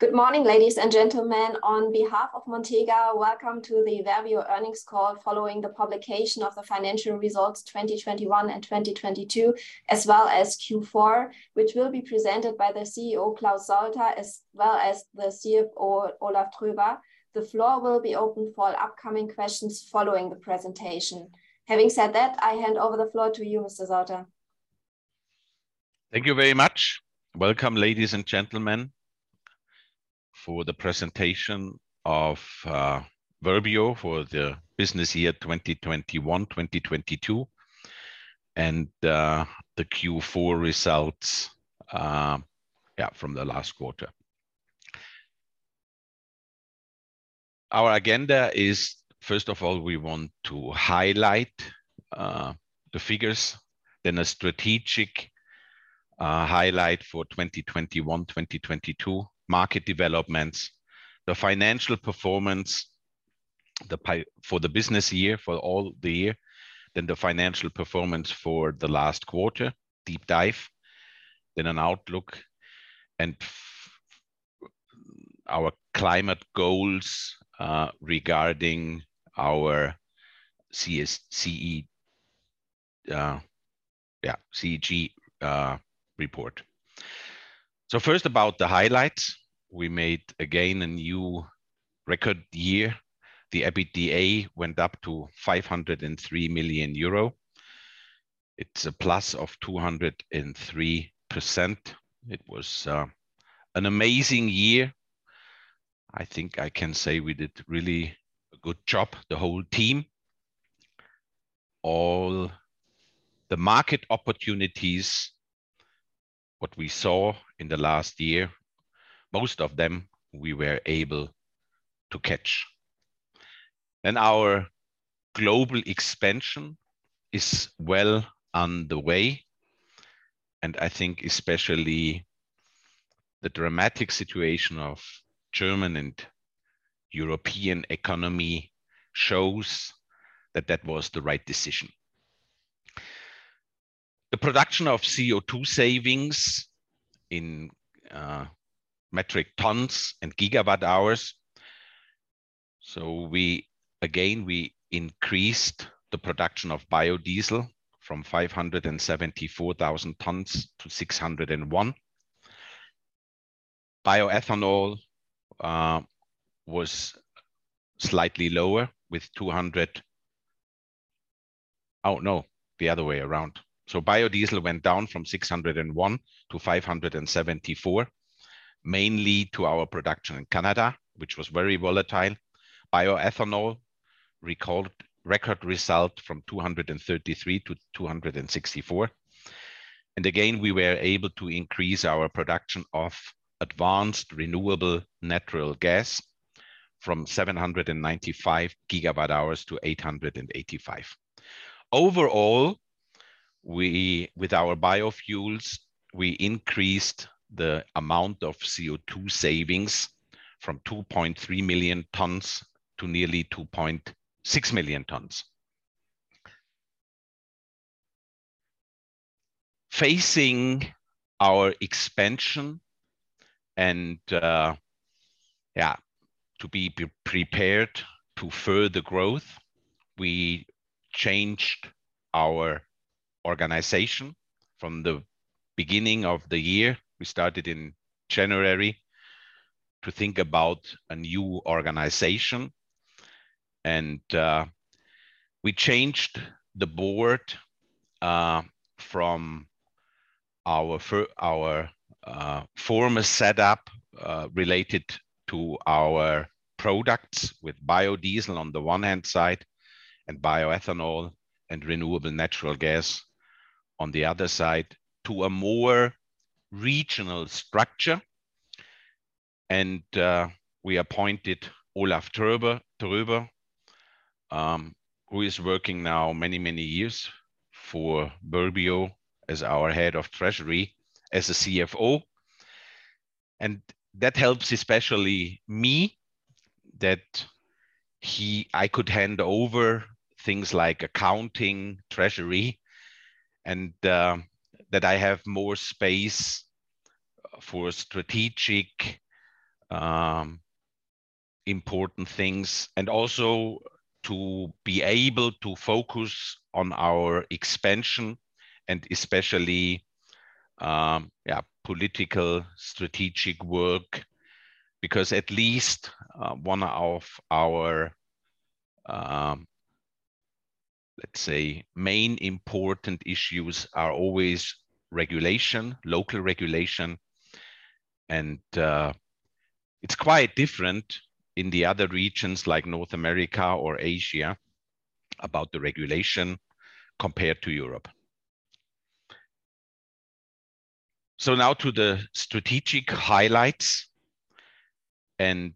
Good morning, ladies and gentlemen. On behalf of Verbio, welcome to the Verbio earnings call following the publication of the financial results 2021 and 2022, as well as Q4, which will be presented by the CEO, Claus Sauter, as well as the CFO, Olaf Tröber. The floor will be open for upcoming questions following the presentation. Having said that, I hand over the floor to you, Mr. Sauter. Thank you very much. Welcome, ladies and gentlemen, for the presentation of Verbio for the business year 2021, 2022, and the Q4 results from the last quarter. Our agenda is, first of all, we want to highlight the figures, then a strategic highlight for 2021, 2022, market developments, the financial performance for the business year, for all the year, then the financial performance for the last quarter, deep dive, then an outlook and our climate goals regarding our ESG report. First about the highlights. We made again a new record year. The EBITDA went up to 503 million euro. It's a plus of 203%. It was an amazing year. I think I can say we did really a good job, the whole team. All the market opportunities, what we saw in the last year, most of them we were able to catch. Our global expansion is well underway, and I think especially the dramatic situation of German and European economy shows that that was the right decision. The production of CO2 savings in metric tons and gigawatt hours. We increased the production of biodiesel from 574,000 tons to 601,000 tons. Bioethanol was slightly lower with 200. Oh, no, the other way around. Biodiesel went down from 601,000 tons to 574,000 tons, mainly due to our production in Canada, which was very volatile. Bioethanol record result from 233,000 tons to 264,000 tons. Again, we were able to increase our production of advanced renewable natural gas from 795 gigawatt hours to 885. Overall, with our biofuels, we increased the amount of CO2 savings from 2.3 million tons to nearly 2.6 million tons. Facing our expansion and to be pre-prepared to further growth, we changed our organization from the beginning of the year. We started in January to think about a new organization and we changed the board from our former setup related to our products with biodiesel on the one hand side and bioethanol and renewable natural gas on the other side to a more regional structure and we appointed Olaf Tröber, who is working now many, many years for Verbio as our head of treasury, as a CFO. That helps especially me I could hand over things like accounting, treasury, and that I have more space for strategic, important things, and also to be able to focus on our expansion and especially, political strategic work because at least, one of our, let's say, main important issues are always regulation, local regulation. It's quite different in the other regions like North America or Asia about the regulation compared to Europe. Now to the strategic highlights and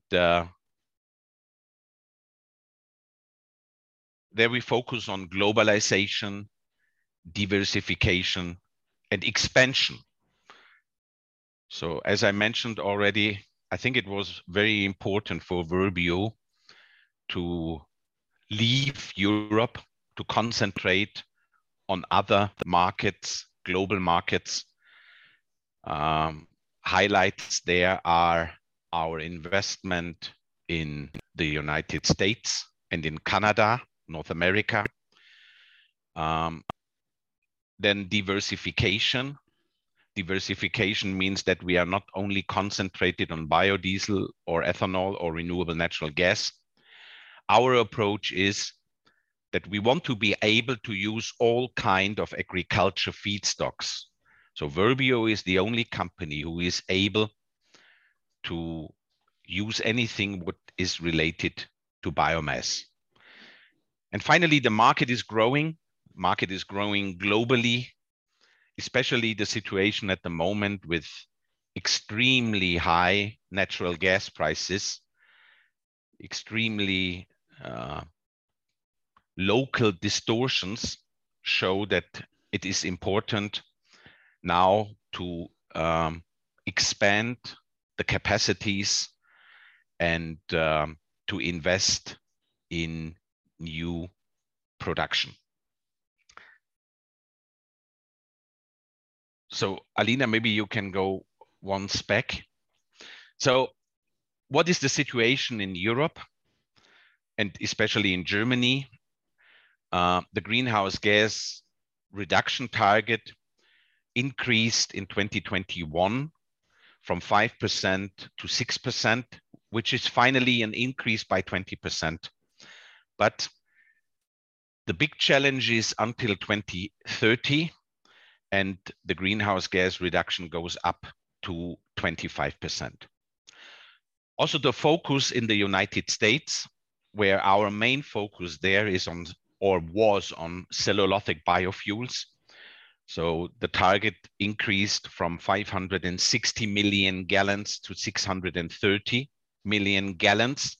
there we focus on globalization, diversification and expansion. As I mentioned already, I think it was very important for Verbio to leave Europe to concentrate on other markets, global markets. Highlights there are our investment in the United States and in Canada, North America. Then diversification. Diversification means that we are not only concentrated on biodiesel or ethanol or renewable natural gas. Our approach is that we want to be able to use all kind of agricultural feedstocks. Verbio is the only company who is able to use anything what is related to biomass. Finally, the market is growing. Market is growing globally, especially the situation at the moment with extremely high natural gas prices. Extremely local distortions show that it is important now to expand the capacities and to invest in new production. Alina, maybe you can go one step. What is the situation in Europe and especially in Germany? The greenhouse gas reduction target increased in 2021 from 5% to 6%, which is finally an increase by 20%. The big challenge is until 2030, and the greenhouse gas reduction goes up to 25%. Also, the focus in the United States, where our main focus there is on or was on cellulosic biofuels. The target increased from 560 million gallons to 630 million gallons.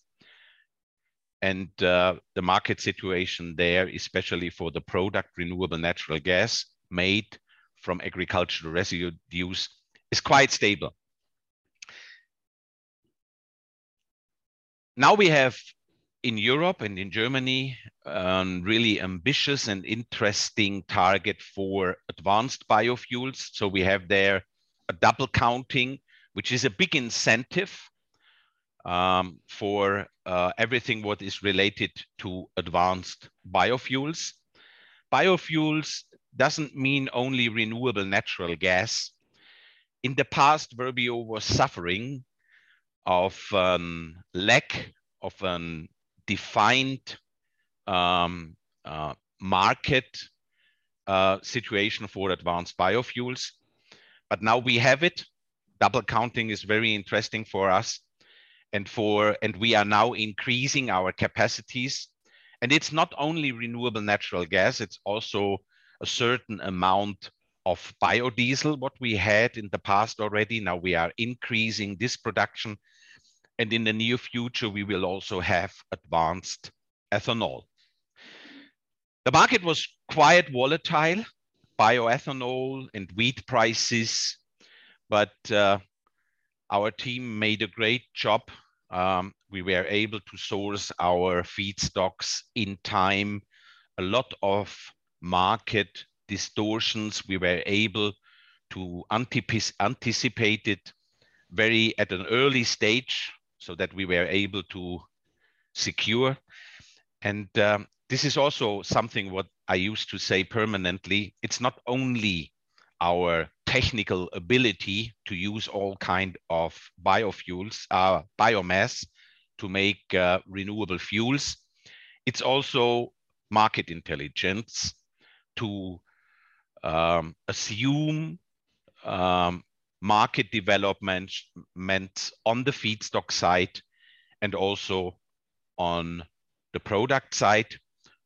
The market situation there, especially for the product, renewable natural gas made from agricultural residue use, is quite stable. Now we have in Europe and in Germany, really ambitious and interesting target for advanced biofuels. We have there a double counting, which is a big incentive, for everything what is related to advanced biofuels. Biofuels doesn't mean only renewable natural gas. In the past, Verbio was suffering of, lack of a defined, market, situation for advanced biofuels. Now we have it. Double counting is very interesting for us and we are now increasing our capacities. It's not only renewable natural gas, it's also a certain amount of biodiesel, what we had in the past already. Now we are increasing this production, and in the near future, we will also have advanced ethanol. The market was quite volatile, bioethanol and wheat prices, but our team made a great job. We were able to source our feedstocks in time. A lot of market distortions. We were able to anticipate it very early at an early stage so that we were able to secure. This is also something what I used to say permanently. It's not only our technical ability to use all kind of biofuels, biomass to make renewable fuels. It's also market intelligence to assume market developments on the feedstock side and also on the product side.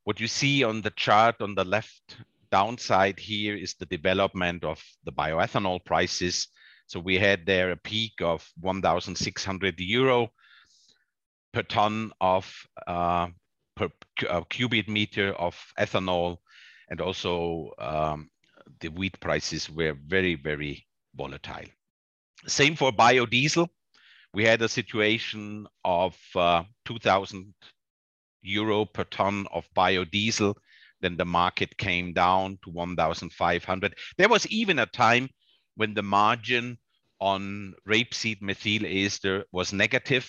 What you see on the chart on the left downside here is the development of the bioethanol prices. We had there a peak of 1,600 euro per cubic meter of ethanol. The wheat prices were very volatile. Same for biodiesel. We had a situation of 2,000 euro per ton of biodiesel. The market came down to 1,500. There was even a time when the margin on rapeseed methyl ester was negative,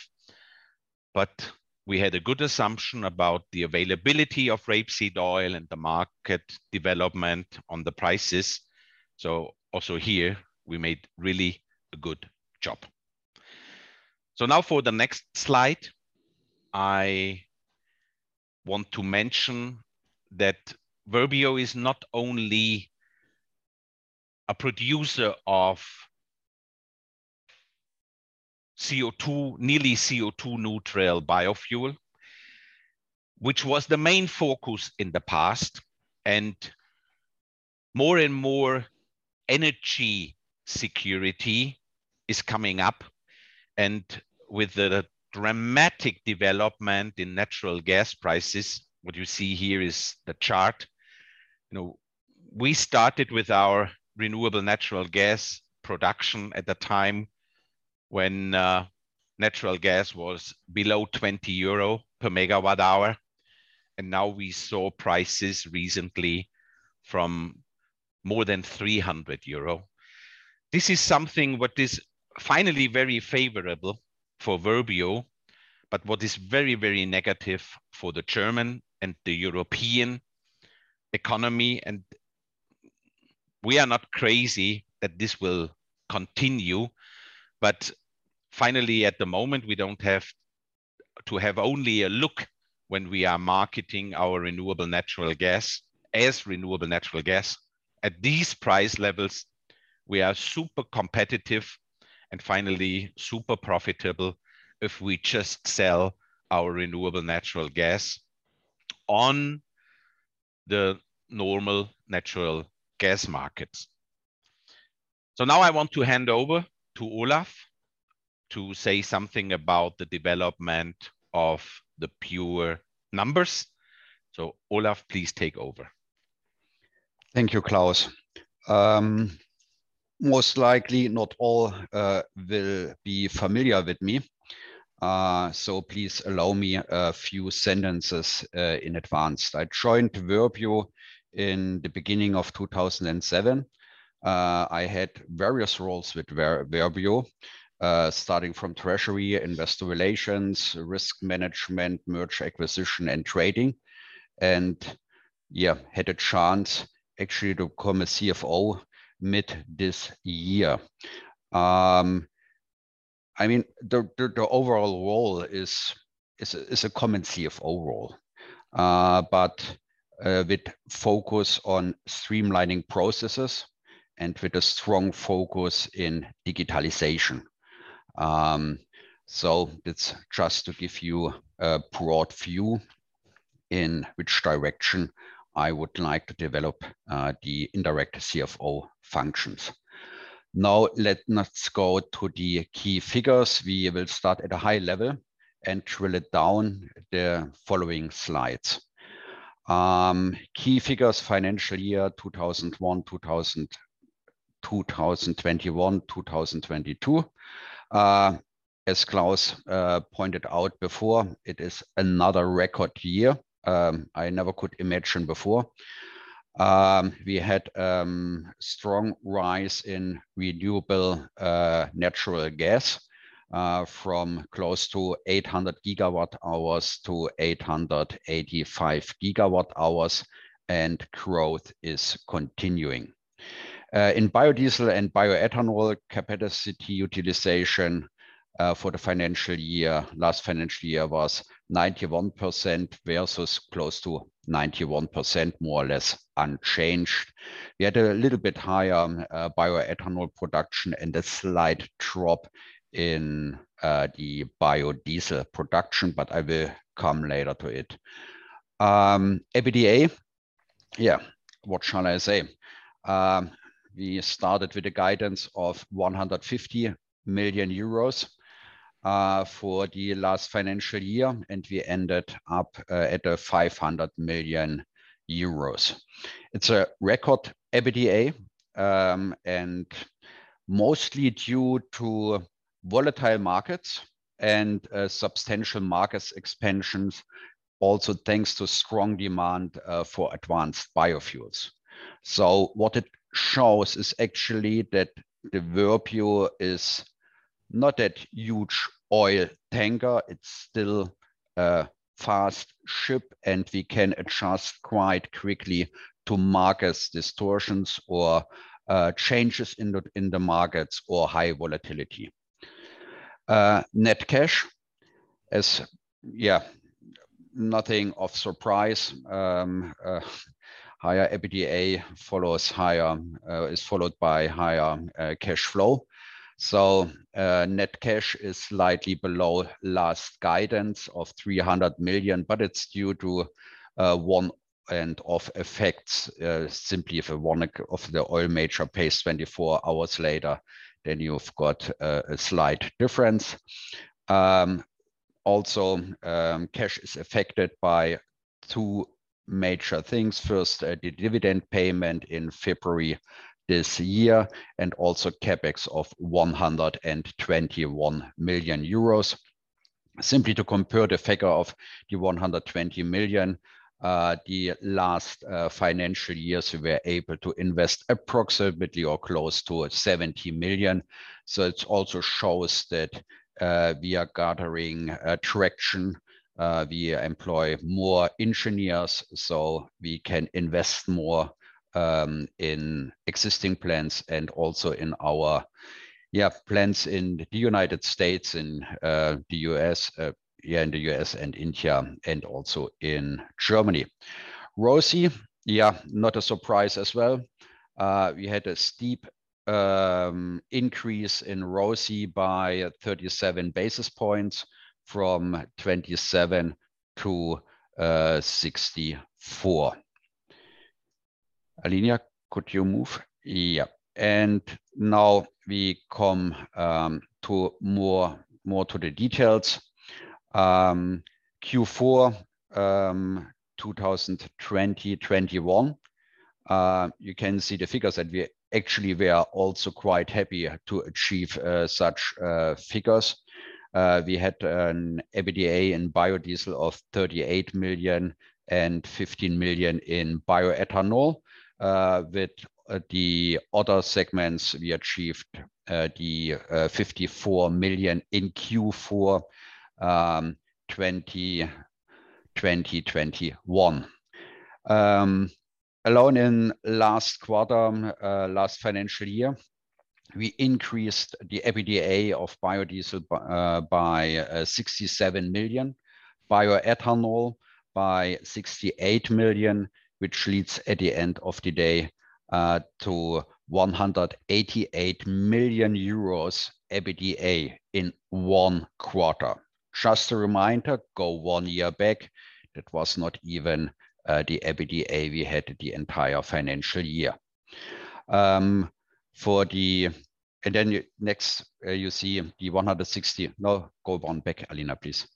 but we had a good assumption about the availability of rapeseed oil and the market development on the prices. Also here we made really a good job. Now for the next slide, I want to mention that Verbio is not only a producer of CO2-neutral biofuel, which was the main focus in the past. More and more energy security is coming up. With the dramatic development in natural gas prices, what you see here is the chart. You know, we started with our renewable natural gas production at the time when natural gas was below 20 euro per megawatt hour, and now we saw prices recently from more than 300 euro. This is something what is finally very favorable for Verbio, but what is very, very negative for the German and the European economy. We are not crazy that this will continue, but finally, at the moment, we don't have to have only a look when we are marketing our renewable natural gas as renewable natural gas. At these price levels, we are super competitive and finally super profitable if we just sell our renewable natural gas on the normal natural gas markets. Now I want to hand over to Olaf to say something about the development of the pure numbers. Olaf, please take over. Thank you, Claus. Most likely not all will be familiar with me, so please allow me a few sentences in advance. I joined Verbio in the beginning of 2007. I had various roles with Verbio, starting from treasury, investor relations, risk management, merger acquisition and trading, and, yeah, had a chance actually to become a CFO mid this year. I mean, the overall role is a common CFO role, but with focus on streamlining processes and with a strong focus in digitalization. So it's just to give you a broad view in which direction I would like to develop the indirect CFO functions. Now let's go to the key figures. We will start at a high level and drill it down the following slides. Key figures, financial year 2021, 2022. As Claus pointed out before, it is another record year I never could imagine before. We had strong rise in renewable natural gas from close to 800 GWh to 885 GWh, and growth is continuing. In biodiesel and bioethanol capacity utilization for the financial year, last financial year was 91% versus close to 91%, more or less unchanged. We had a little bit higher bioethanol production and a slight drop in the biodiesel production, but I will come later to it. EBITDA, yeah, what shall I say? We started with a guidance of 150 million euros for the last financial year, and we ended up at 500 million euros. It's a record EBITDA, and mostly due to volatile markets and substantial market expansions, also thanks to strong demand for advanced biofuels. What it shows is actually that Verbio is not that huge oil tanker. It's still a fast ship, and we can adjust quite quickly to market distortions or changes in the markets or high volatility. Net cash is nothing surprising. Higher EBITDA is followed by higher cash flow. Net cash is slightly below last guidance of 300 million, but it's due to one-off effects. Simply, if one of the oil major pays 24 hours later, then you've got a slight difference. Also, cash is affected by two major things. First, the dividend payment in February this year, and also CapEx of 121 million euros. Simply to compare the figure of the 120 million, the last financial years, we were able to invest approximately or close to 70 million. It also shows that we are gathering traction. We employ more engineers, so we can invest more in existing plants and also in our plants in the United States, in the US, yeah, in the US and India, and also in Germany. ROCE, yeah, not a surprise as well. We had a steep increase in ROSI by 37 basis points from 27-64. Alina, could you move? Yeah. Now we come to more to the details. Q4 2021, you can see the figures. Actually, we are also quite happy to achieve such figures. We had an EBITDA in biodiesel of 38 million and 15 million in bioethanol. With the other segments, we achieved the 54 million in Q4 2021. Alone in last quarter, last financial year, we increased the EBITDA of biodiesel by 67 million, bioethanol by 68 million, which leads at the end of the day to 188 million euros EBITDA in one quarter. Just a reminder, go one year back, that was not even the EBITDA we had the entire financial year. Next, you see the 160. No, go one back, Alina, please.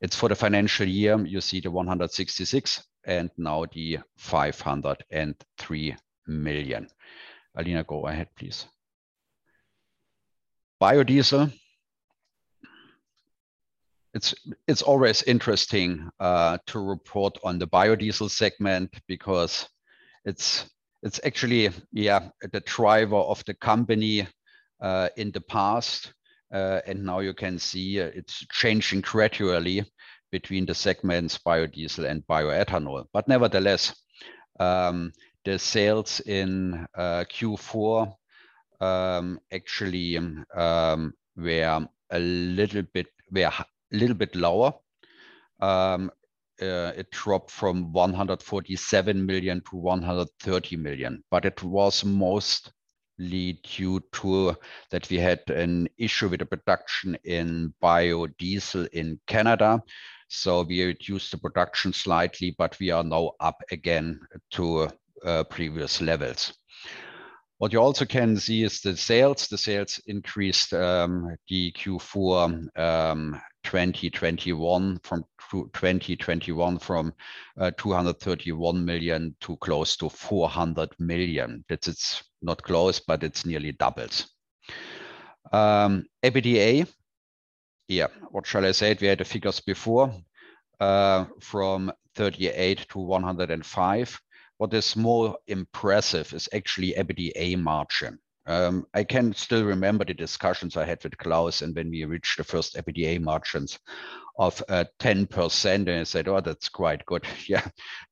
It's for the financial year, you see the 166 and now the 503 million. Alina, go ahead, please. Biodiesel. It's always interesting to report on the biodiesel segment because it's actually the driver of the company in the past. Now you can see it's changing gradually between the segments biodiesel and bioethanol. Nevertheless, the sales in Q4 actually were a little bit lower. It dropped from 147 million to 130 million, but it was mostly due to that we had an issue with the production in biodiesel in Canada, so we reduced the production slightly, but we are now up again to previous levels. What you also can see is the sales. The sales increased in Q4 2021 from 231 million to close to 400 million. That's it, not close, but it's nearly doubles. EBITDA. What shall I say? We had the figures before from 38 million to 105 million. What is more impressive is actually EBITDA margin. I can still remember the discussions I had with Claus, and when we reached the first EBITDA margins of 10% and he said, "Oh, that's quite good.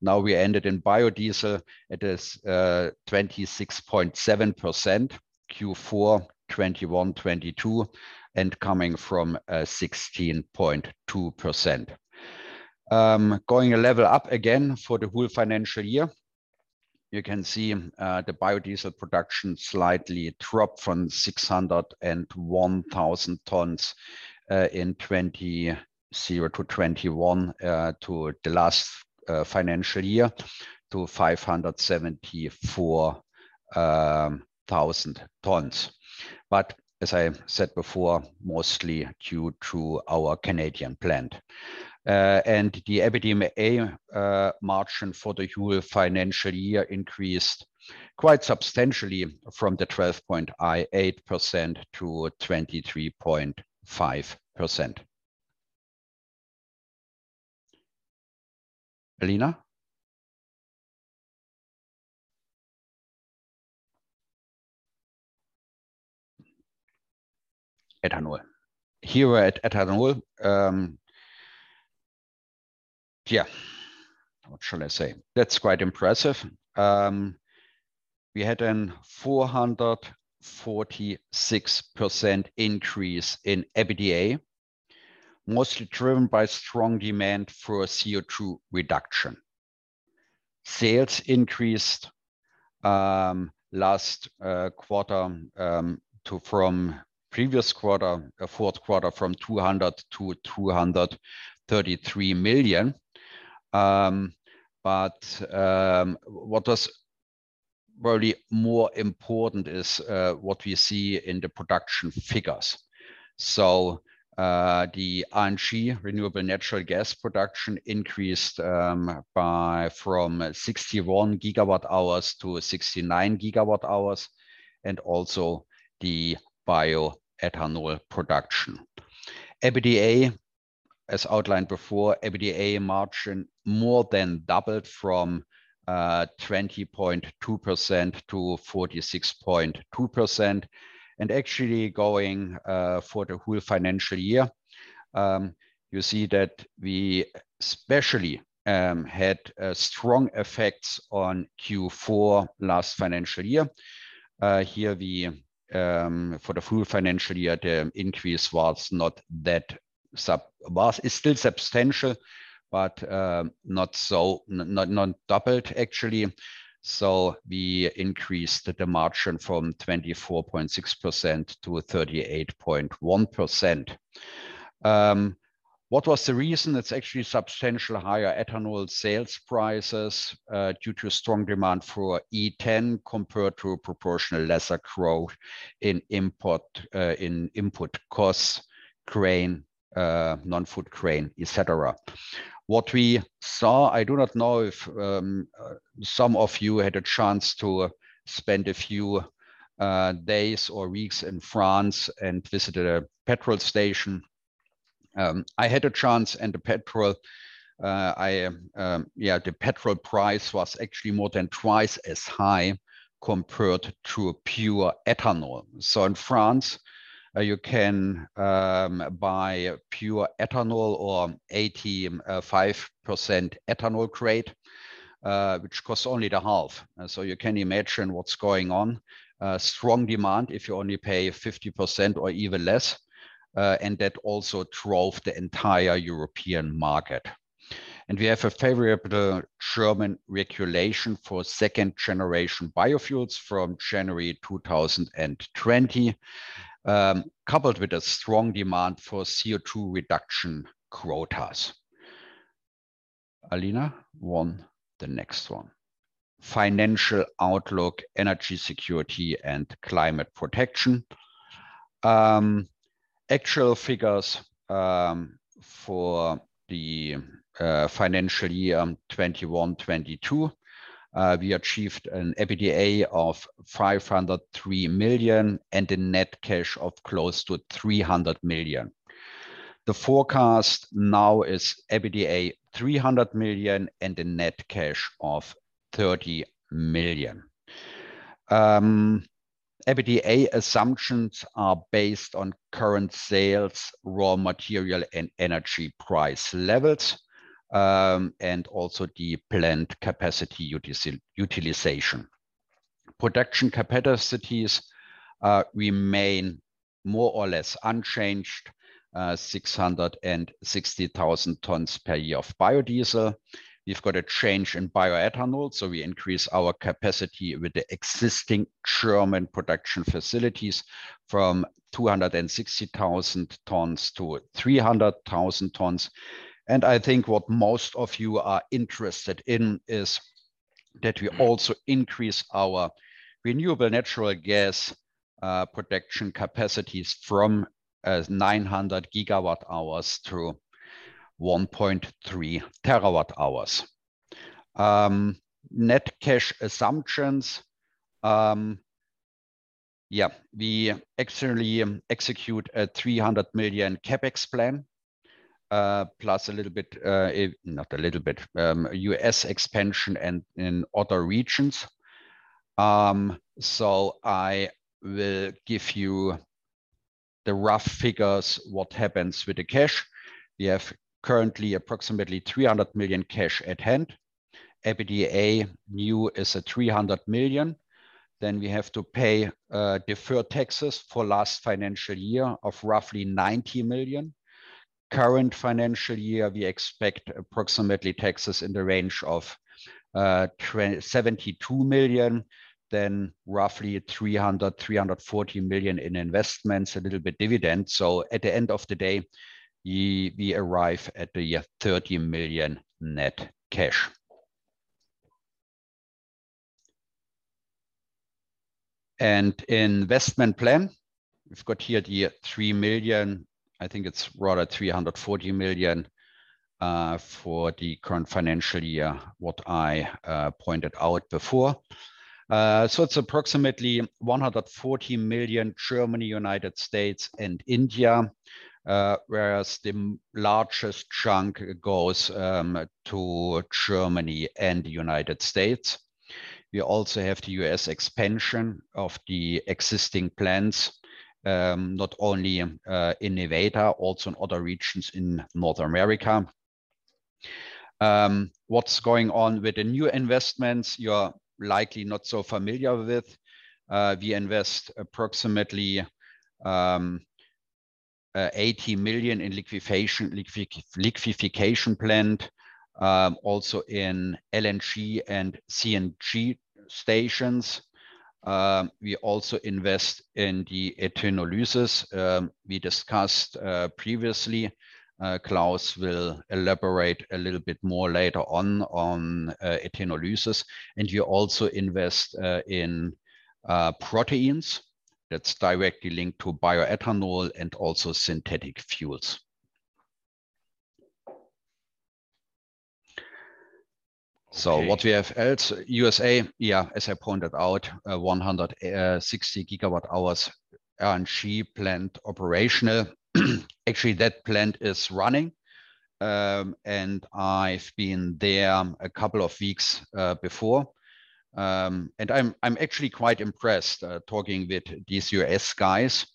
Now, we ended in biodiesel. It is 26.7%, Q4, 2021/2022, and coming from 16.2%. Going a level up again for the whole financial year, you can see the biodiesel production slightly dropped from 601,000 tons in 2020 to 2021 to the last financial year, to 574,000 tons. But as I said before, mostly due to our Canadian plant. And the EBITDA margin for the whole financial year increased quite substantially from the 12.8% to 23.5%. Alina? Ethanol. Here at ethanol, yeah. What shall I say? That's quite impressive. We had a 446% increase in EBITDA, mostly driven by strong demand for CO2 reduction. Sales increased last quarter from previous quarter, fourth quarter, from 200 million-233 million. What was really more important is what we see in the production figures. The RNG, renewable natural gas production, increased from 61 GWh-69 GWh, and also the bioethanol production. EBITDA, as outlined before, EBITDA margin more than doubled from 20.2%-46.2%. Actually going for the whole financial year, you see that we especially had strong effects on Q4 last financial year. Here, for the full financial year, the increase was not that. Well, it's still substantial, but not so, not doubled actually. We increased the margin from 24.6%-38.1%. What was the reason? It's actually substantial higher ethanol sales prices due to a strong demand for E10 compared to a proportional lesser growth in input costs, grain, non-food grain, et cetera. What we saw, I do not know if some of you had a chance to spend a few days or weeks in France and visited a petrol station. I had a chance, and the petrol price was actually more than twice as high compared to a pure ethanol. In France you can buy pure ethanol or E85 which costs only the half. You can imagine what's going on. Strong demand if you only pay fifty percent or even less and that also drove the entire European market. We have a favorable German regulation for second-generation biofuels from January 2020, coupled with a strong demand for CO2 reduction quotas. Alina, onto the next one. Financial outlook, energy security, and climate protection. Actual figures for the financial year 2021-2022, we achieved an EBITDA of 503 million and a net cash of close to 300 million. The forecast now is EBITDA 300 million and a net cash of 30 million. EBITDA assumptions are based on current sales, raw material, and energy price levels, and also the plant capacity utilization. Production capacities remain more or less unchanged, 660,000 tons per year of biodiesel. We've got a change in bioethanol, so we increase our capacity with the existing German production facilities from 260,000 tons to 300,000 tons. I think what most of you are interested in is that we also increase our renewable natural gas production capacities from 900 GWh to 1.3 TWh. Net cash assumptions. We actually execute a 300 million CapEx plan plus a little bit, not a little bit, US expansion and in other regions. I will give you the rough figures what happens with the cash. We have currently approximately 300 million cash at hand. EBITDA new is 300 million. We have to pay deferred taxes for last financial year of roughly 90 million. Current financial year, we expect approximately taxes in the range of 27 million, then roughly 340 million in investments, a little bit dividend. At the end of the day, we arrive at the 30 million net cash. Investment plan. We've got here the 3 million. I think it's rather 340 million for the current financial year, what I pointed out before. It's approximately 140 million Germany, United States, and India, whereas the largest chunk goes to Germany and United States. We also have the US expansion of the existing plants, not only in Nevada, also in other regions in North America. What's going on with the new investments you're likely not so familiar with. We invest approximately EUR 80 million in liquefaction plant, also in LNG and CNG stations. We also invest in the ethanolysis we discussed previously. Claus will elaborate a little bit more later on ethanolysis. We also invest in proteins that's directly linked to bioethanol and also synthetic fuels. What we have else? USA, yeah, as I pointed out, 160 GWh RNG plant operational. Actually, that plant is running, and I've been there a couple of weeks before. I'm actually quite impressed talking with these U.S. guys.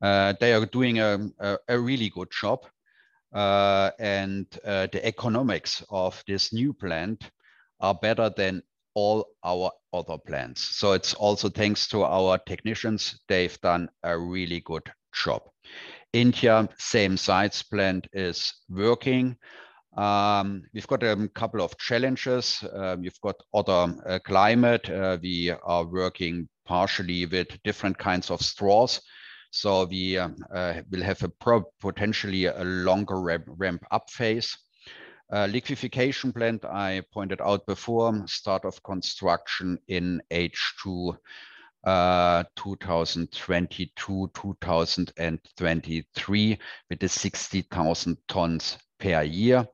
They are doing a really good job. The economics of this new plant are better than all our other plants. It's also thanks to our technicians. They've done a really good job. India same site plant is working. We've got a couple of challenges. We've got other climate. We are working partially with different kinds of straws. We'll have potentially a longer ramp-up phase. Liquefaction plant, I pointed out before, start of construction in H2 2022, 2023 with the 60,000 tons per year.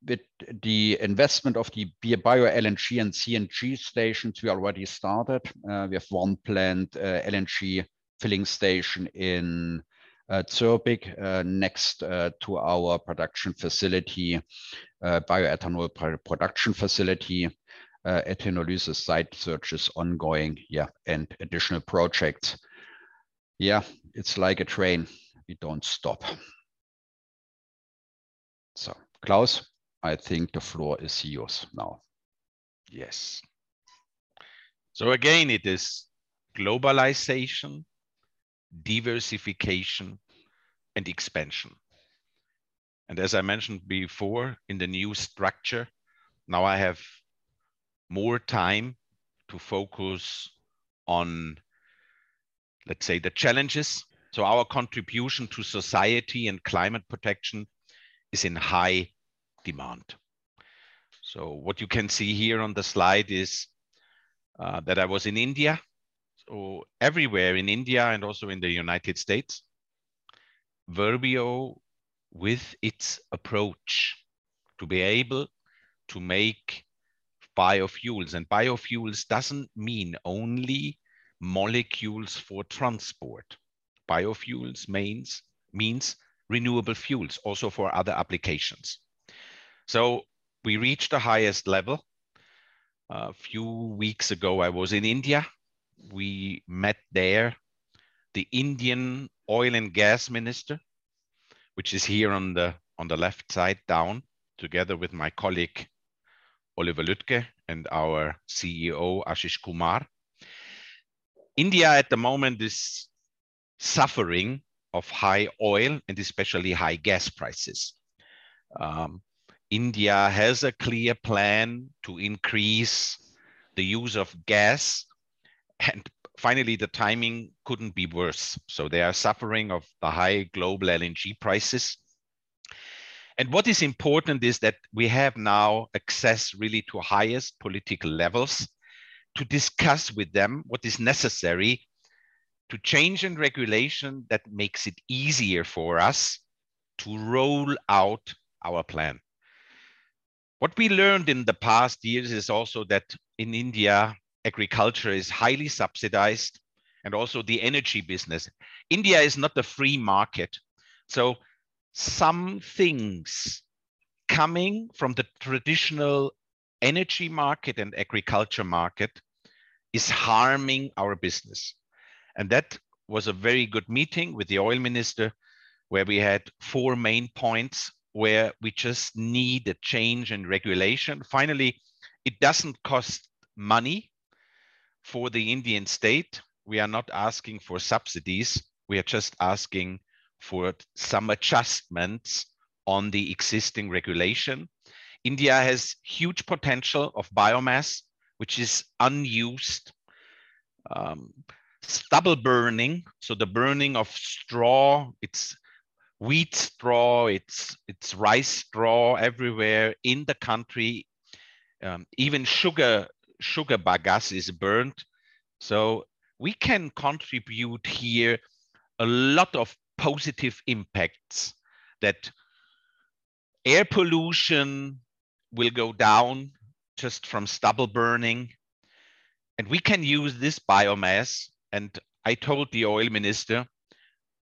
With the investment of the BioLNG and CNG stations, we already started. We have one plant, LNG filling station in Zörbig, next to our production facility, bioethanol production facility. Ethanolysis site search is ongoing, yeah, and additional projects. Yeah, it's like a train. We don't stop. Claus, I think the floor is yours now. Yes. Again, it is globalization, diversification, and expansion. As I mentioned before, in the new structure, now I have more time to focus on, let's say, the challenges. Our contribution to society and climate protection is in high demand. What you can see here on the slide is that I was in India. Everywhere in India and also in the United States, Verbio, with its approach to be able to make biofuels, and biofuels doesn't mean only molecules for transport. Biofuels means renewable fuels also for other applications. We reached the highest level. A few weeks ago, I was in India. We met there the Indian oil and gas minister, which is here on the left side down together with my colleague, Oliver Lüdtke, and our CEO, Ashish Kumar. India at the moment is suffering of high oil and especially high gas prices. India has a clear plan to increase the use of gas, and finally, the timing couldn't be worse. They are suffering of the high global LNG prices. What is important is that we have now access really to highest political levels to discuss with them what is necessary to change in regulation that makes it easier for us to roll out our plan. What we learned in the past years is also that in India, agriculture is highly subsidized and also the energy business. India is not a free market, so some things coming from the traditional energy market and agriculture market is harming our business. That was a very good meeting with the oil minister, where we had four main points where we just need a change in regulation. Finally, it doesn't cost money for the Indian state. We are not asking for subsidies. We are just asking for some adjustments on the existing regulation. India has huge potential of biomass, which is unused. Stubble burning, so the burning of straw, it's wheat straw, it's rice straw everywhere in the country. Even sugar bagasse is burnt. We can contribute here a lot of positive impacts that air pollution will go down just from stubble burning, and we can use this biomass. I told the oil minister,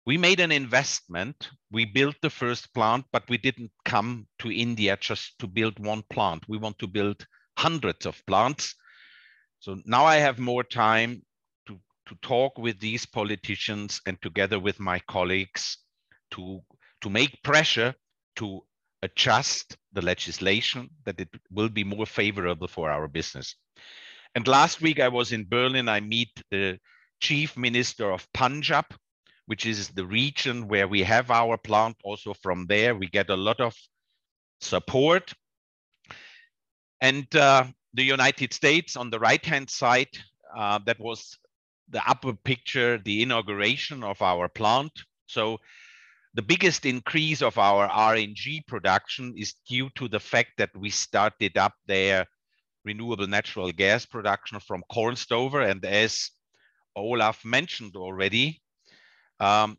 we made an investment. We built the first plant, but we didn't come to India just to build one plant. We want to build hundreds of plants. Now I have more time to talk with these politicians and together with my colleagues to make pressure to adjust the legislation that it will be more favorable for our business. Last week I was in Berlin. I met the Chief Minister of Punjab, which is the region where we have our plant. Also from there, we get a lot of support. The United States on the right-hand side, that was the upper picture, the inauguration of our plant. The biggest increase of our RNG production is due to the fact that we started up our renewable natural gas production from corn stover. As Olaf mentioned already, the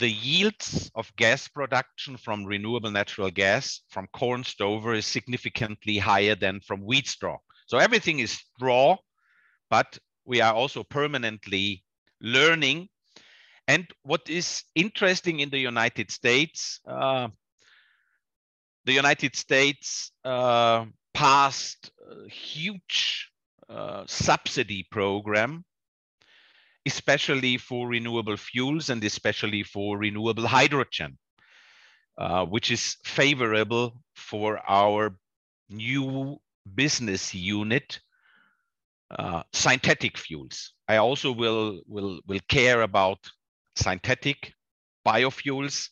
yields of gas production from renewable natural gas from corn stover is significantly higher than from wheat straw. Everything is raw, but we are also permanently learning. What is interesting in the United States, the United States passed a huge subsidy program, especially for renewable fuels and especially for renewable hydrogen, which is favorable for our new business unit, synthetic fuels. I also will care about synthetic biofuels.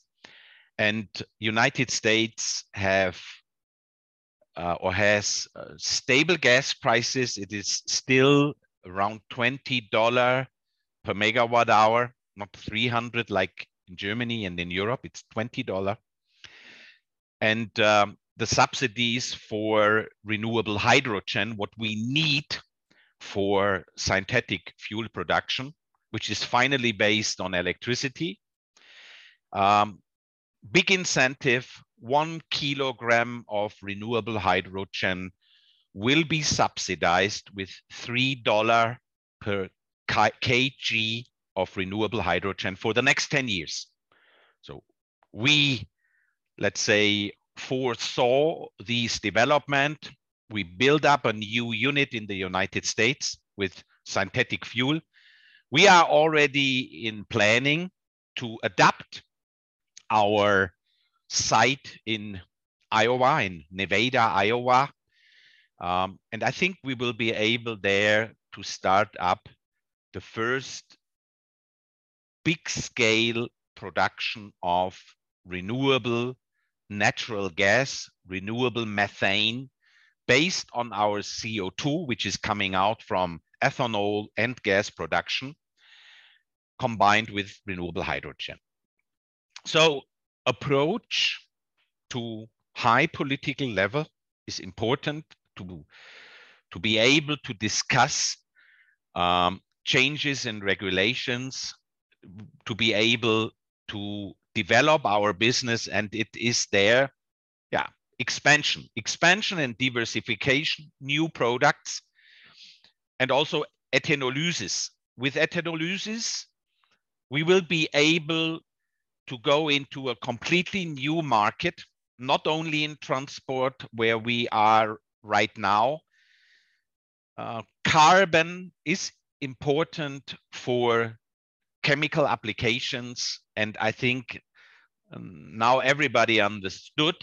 United States has stable gas prices. It is still around $20 per MWh, not $300 like in Germany and in Europe. It's $20.The subsidies for renewable hydrogen, what we need for synthetic fuel production, which is finally based on electricity, big incentive, 1 kilogram of renewable hydrogen will be subsidized with $3 per kg of renewable hydrogen for the next 10 years. We, let's say, foresaw this development. We build up a new unit in the United States with synthetic fuel. We are already in planning to adapt our site in Iowa, in Nevada, Iowa. I think we will be able there to start up the first big scale production of renewable natural gas, renewable methane based on our CO2, which is coming out from ethanol and gas production combined with renewable hydrogen. Approach to high political level is important to be able to discuss changes in regulations, to be able to develop our business, and it is there. Yeah, expansion. Expansion and diversification, new products, and also ethanolysis. With ethanolysis, we will be able to go into a completely new market, not only in transport where we are right now. Carbon is important for chemical applications, and I think, now everybody understood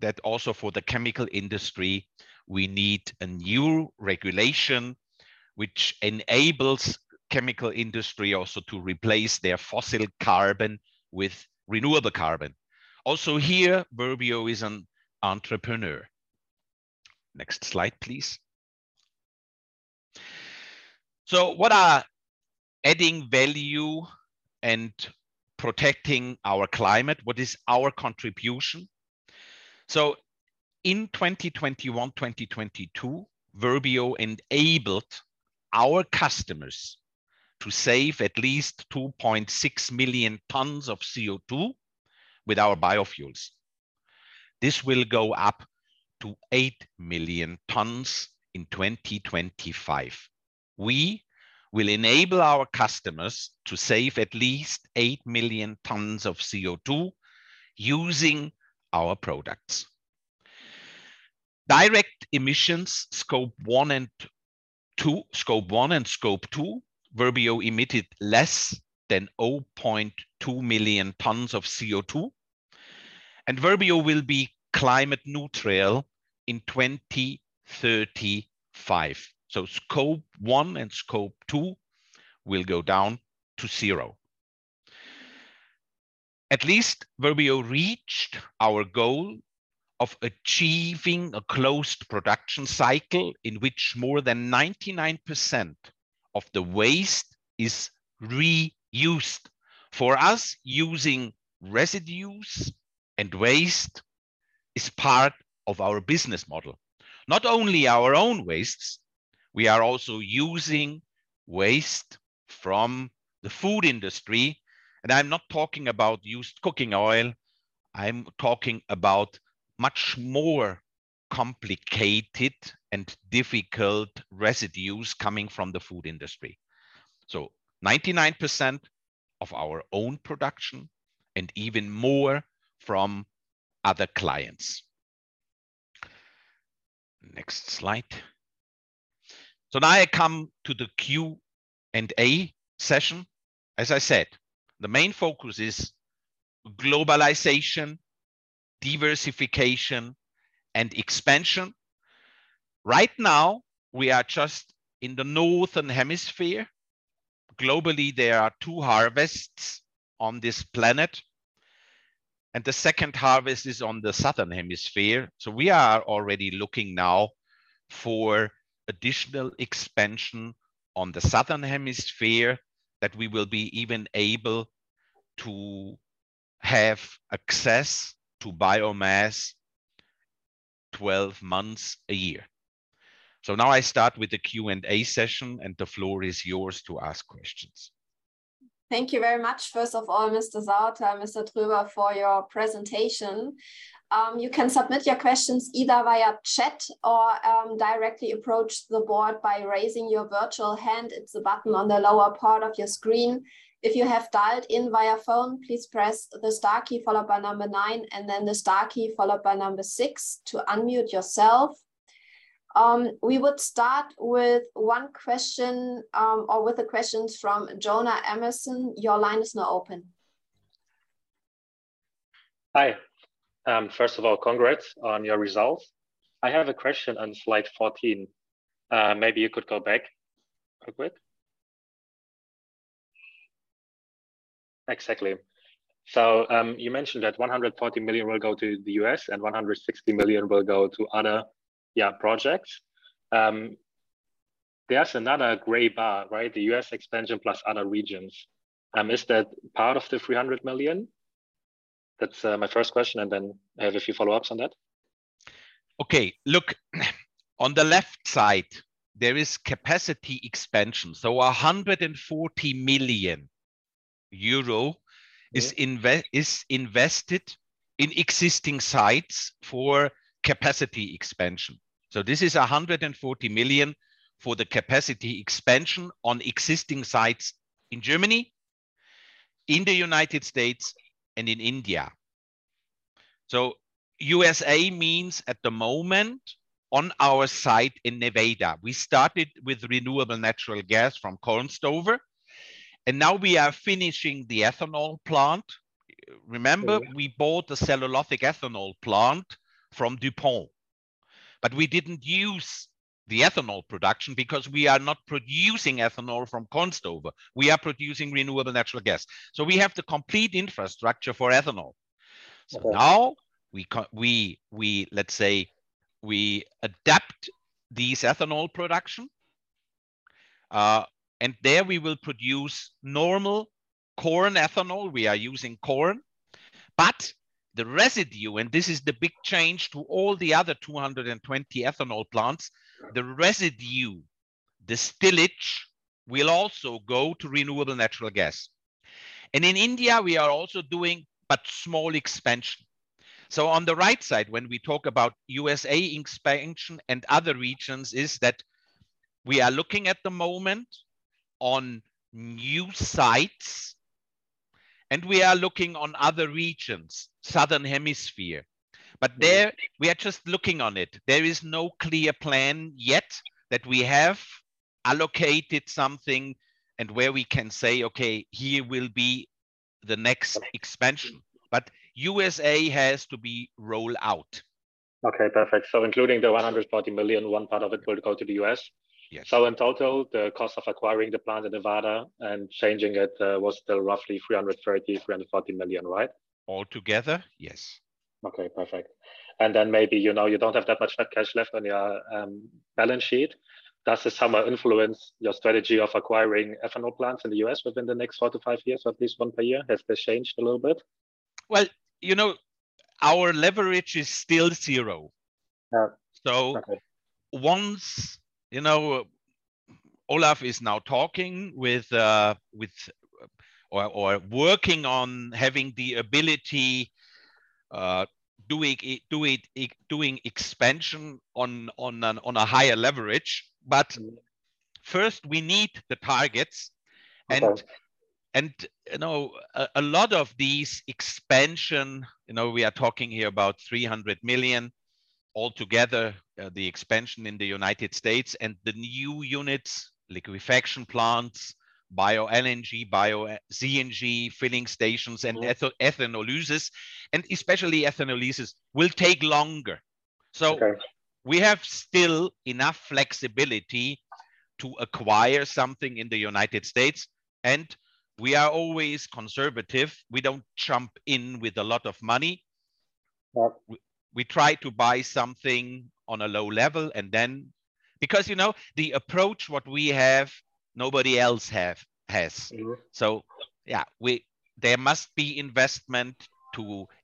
that also for the chemical industry, we need a new regulation which enables chemical industry also to replace their fossil carbon with renewable carbon. Also here, Verbio is an entrepreneur. Next slide, please. So what are adding value and protecting our climate? What is our contribution? In 2021, 2022, Verbio enabled our customers to save at least 2.6 million tons of CO2 with our biofuels. This will go up to eight million tons in 2025. We will enable our customers to save at least eight million tons of CO2 using our products. Direct emissions, Scope 1 and 2, Verbio emitted less than 0.2 million tons of CO2. Verbio will be climate neutral in 2035. Scope 1 and Scope 2 will go down to zero. At least Verbio reached our goal of achieving a closed production cycle in which more than 99% of the waste is reused. For us, using residues and waste is part of our business model. Not only our own wastes, we are also using waste from the food industry. And I'm not talking about used cooking oil, I'm talking about much more complicated and difficult residues coming from the food industry. 99% of our own production and even more from other clients. Next slide. Now I come to the Q&A session. As I said, the main focus is globalization, diversification, and expansion. Right now, we are just in the Northern Hemisphere. Globally, there are two harvests on this planet, and the second harvest is on the Southern Hemisphere. We are already looking now for additional expansion on the southern hemisphere that we will be even able to have access to biomass 12 months a year. Now I start with the Q&A session, and the floor is yours to ask questions. Thank you very much, first of all, Mr. Sauter, Mr. Tröber, for your presentation. You can submit your questions either via chat or directly approach the board by raising your virtual hand. It's a button on the lower part of your screen. If you have dialed in via phone, please press the star key followed by number nine and then the star key followed by number six to unmute yourself. We would start with one question or with the questions from Jonah Emerson. Your line is now open. Hi. First of all, congrats on your results. I have a question on slide 14. Maybe you could go back real quick. Exactly. So, you mentioned that 140 million will go to the U.S. and 160 million will go to other projects. There's another gray bar, right? The US expansion plus other regions. Is that part of the 300 million? That's my first question, and then I have a few follow-ups on that. Okay. Look, on the left side there is capacity expansion. 140 million euro. Yeah is invested in existing sites for capacity expansion. This is 140 million for the capacity expansion on existing sites in Germany, in the United States and in India. USA means, at the moment, on our site in Nevada, Iowa. We started with renewable natural gas from corn stover, and now we are finishing the ethanol plant. Remember. Yeah We bought the cellulosic ethanol plant from DuPont, but we didn't use the ethanol production because we are not producing ethanol from corn stover. We are producing renewable natural gas. We have the complete infrastructure for ethanol. Okay. Now, let's say, we adapt this ethanol production, and there we will produce normal corn ethanol. We are using corn. The residue, and this is the big change to all the other 220 ethanol plants. Sure The residue distillate will also go to renewable natural gas. In India we are also doing a small expansion. On the right side, when we talk about USA expansion and other regions, it's that we are looking at the moment at new sites and we are looking at other regions, Southern Hemisphere. Okay. There we are just looking into it. There is no clear plan yet that we have allocated something and where we can say, "Okay, here will be the next expansion." USA has to be rolled out. Okay, perfect. Including the 140 million, one part of it will go to the U.S. Yes. In total, the cost of acquiring the plant in Nevada, Iowa and changing it was still roughly 330 million-340 million, right? All together, yes. Okay, perfect. Maybe, you know, you don't have that much fat cash left on your balance sheet. Does this somehow influence your strategy of acquiring ethanol plants in the U.S. within the next 4-5 years, so at least one per year? Has this changed a little bit? Well, you know, our leverage is still zero. Yeah. Okay. Once you know, Olaf is now talking with or working on having the ability doing expansion on a higher leverage. First we need the targets and Okay You know, a lot of these expansion, you know, we are talking here about 300 million altogether, the expansion in the United States and the new units, liquefaction plants, BioLNG, BioCNG filling stations and ethanolysis, and especially ethanolysis will take longer. Okay We have still enough flexibility to acquire something in the United States, and we are always conservative. We don't jump in with a lot of money. Sure. We try to buy something on a low level, and then because, you know, the approach what we have, nobody else has. True. There must be investment.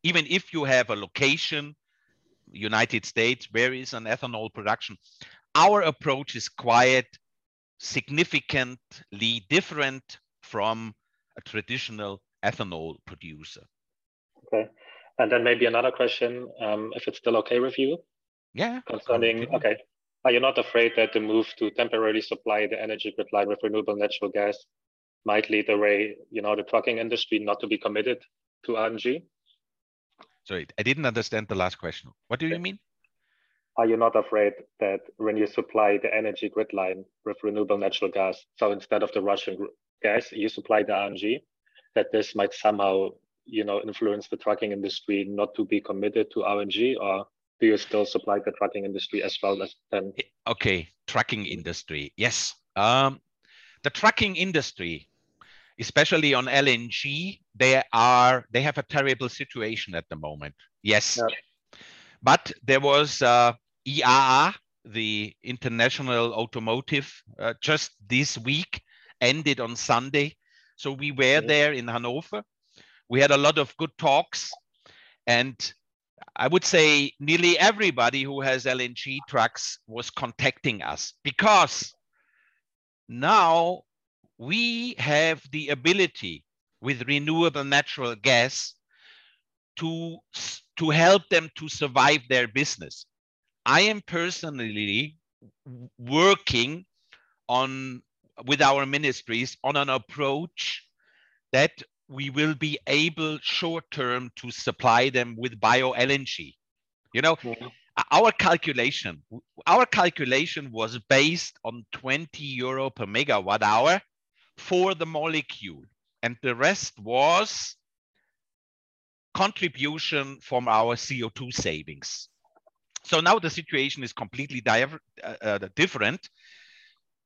Even if you have a location in the United States where there is ethanol production, our approach is quite significantly different from a traditional ethanol producer. Okay. Maybe another question, if it's still okay with you. Yeah. Concerning- Of course. Okay. Are you not afraid that the move to temporarily supply the energy grid line with renewable natural gas might lead away, you know, the trucking industry not to be committed to RNG? Sorry, I didn't understand the last question. What do you mean? Are you not afraid that when you supply the energy grid line with renewable natural gas, so instead of the Russian gas, you supply the RNG, that this might somehow, you know, influence the trucking industry not to be committed to RNG? Do you still supply the trucking industry as well as then? Okay. Trucking industry. Yes, the trucking industry, especially on LNG, they have a terrible situation at the moment. Yes. Yeah. There was IAA, the international automotive, just this week, ended on Sunday. We were there- Yeah In Hanover. We had a lot of good talks, and I would say nearly everybody who has LNG trucks was contacting us because now we have the ability with renewable natural gas to help them to survive their business. I am personally working on, with our ministries, on an approach that we will be able short-term to supply them with BioLNG.You know, our calculation was based on 20 euro MWh for the molecule, and the rest was contribution from our CO2 savings. Now the situation is completely different.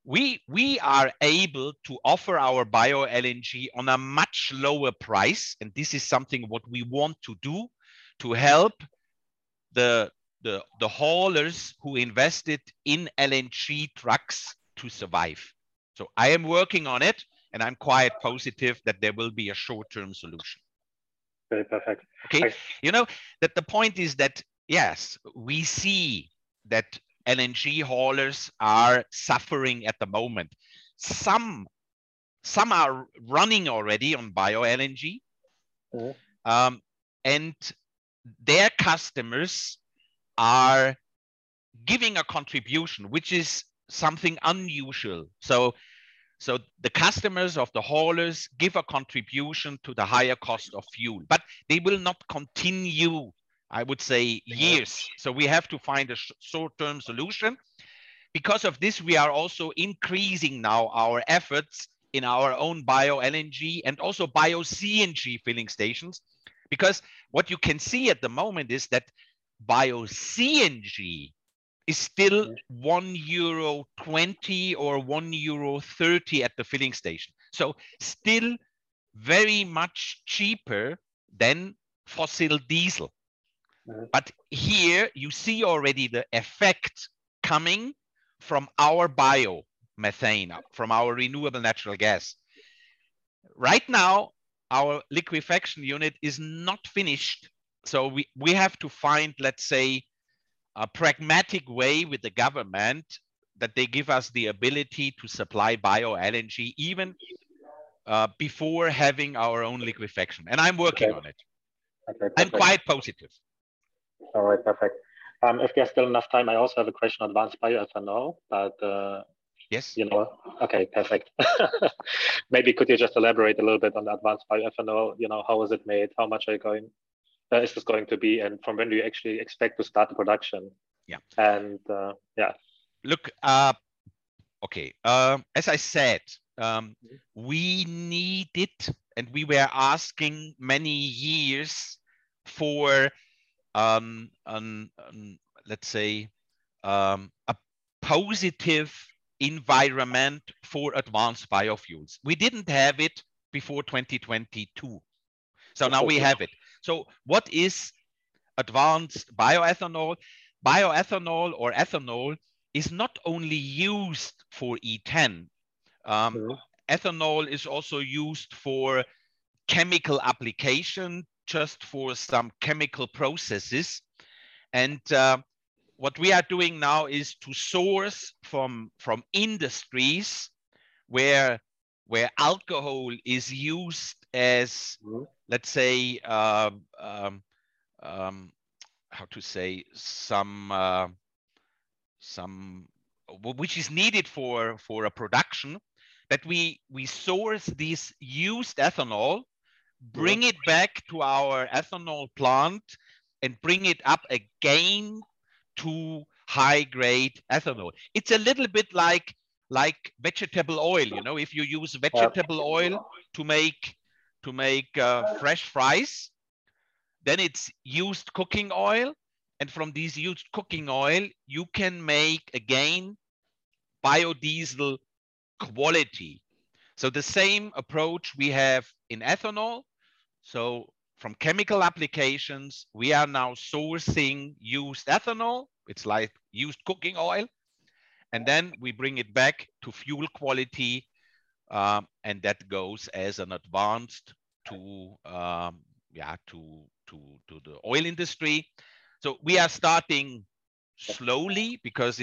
We are able to offer our BioLNG on a much lower price, and this is something what we want to do to help the haulers who invested in LNG trucks to survive. I am working on it, and I'm quite positive that there will be a short-term solution. Very perfect. Thanks. Okay. You know that the point is that, yes, we see that LNG haulers are suffering at the moment. Some are running already on BioLNG. Mm-hmm. Their customers are giving a contribution, which is something unusual. The customers of the haulers give a contribution to the higher cost of fuel. They will not continue, I would say, years. Yeah. We have to find a short-term solution. Because of this, we are also increasing now our efforts in our own BioLNG and also BioCNG filling stations. Because what you can see at the moment is that BioCNG is still 1.20 euro or 1.30 euro at the filling station. Still very much cheaper than fossil diesel. Mm-hmm. Here you see already the effect coming from our biomethane, from our renewable natural gas. Right now, our liquefaction unit is not finished, so we have to find, let's say, a pragmatic way with the government that they give us the ability to supply BioLNG even before having our own liquefaction, and I'm working on it. Okay, perfect. I'm quite positive. All right, perfect. If there's still enough time, I also have a question on advanced bioethanol, but. Yes You know what? Okay, perfect. Maybe could you just elaborate a little bit on advanced bioethanol, you know, how is it made? Is this going to be, and from when do you actually expect to start the production? Yeah. Yeah. Look, okay. As I said. Yeah We needed and we were asking many years for, let's say, a positive environment for advanced biofuels. We didn't have it before 2022. Okay. Now we have it. What is advanced bioethanol? Bioethanol or ethanol is not only used for E10. Mm-hmm. Ethanol is also used for chemical application, just for some chemical processes. What we are doing now is to source from industries where alcohol is used as- Mm-hmm Let's say some which is needed for a production. That we source this used ethanol. Mm-hmm bring it back to our ethanol plant, and bring it up again to high-grade ethanol. It's a little bit like vegetable oil, you know? If you use vegetable oil Mm-hmm to make Mm-hmm fresh fries, then it's used cooking oil, and from this used cooking oil you can make again biodiesel quality. The same approach we have in ethanol. From chemical applications, we are now sourcing used ethanol. It's like used cooking oil. Then we bring it back to fuel quality, and that goes as an advanced to the oil industry. We are starting slowly because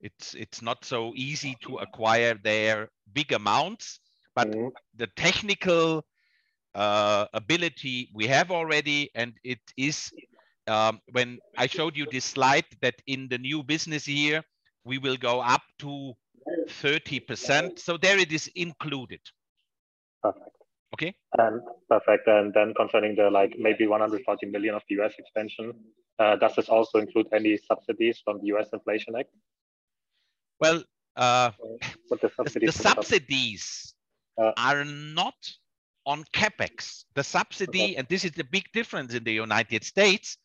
it's not so easy to acquire their big amounts. Mm-hmm. The technical ability we have already, and it is when I showed you this slide that in the new business year we will go up to 30%. There it is included. Perfect. Okay? Perfect. Concerning the, like, maybe $140 million of the U.S. Expansion, does this also include any subsidies from the Inflation Reduction Act? Well. What the subsidies about? The subsidies. Uh- are not on CapEx. The subsidy, and this is the big difference in the United States,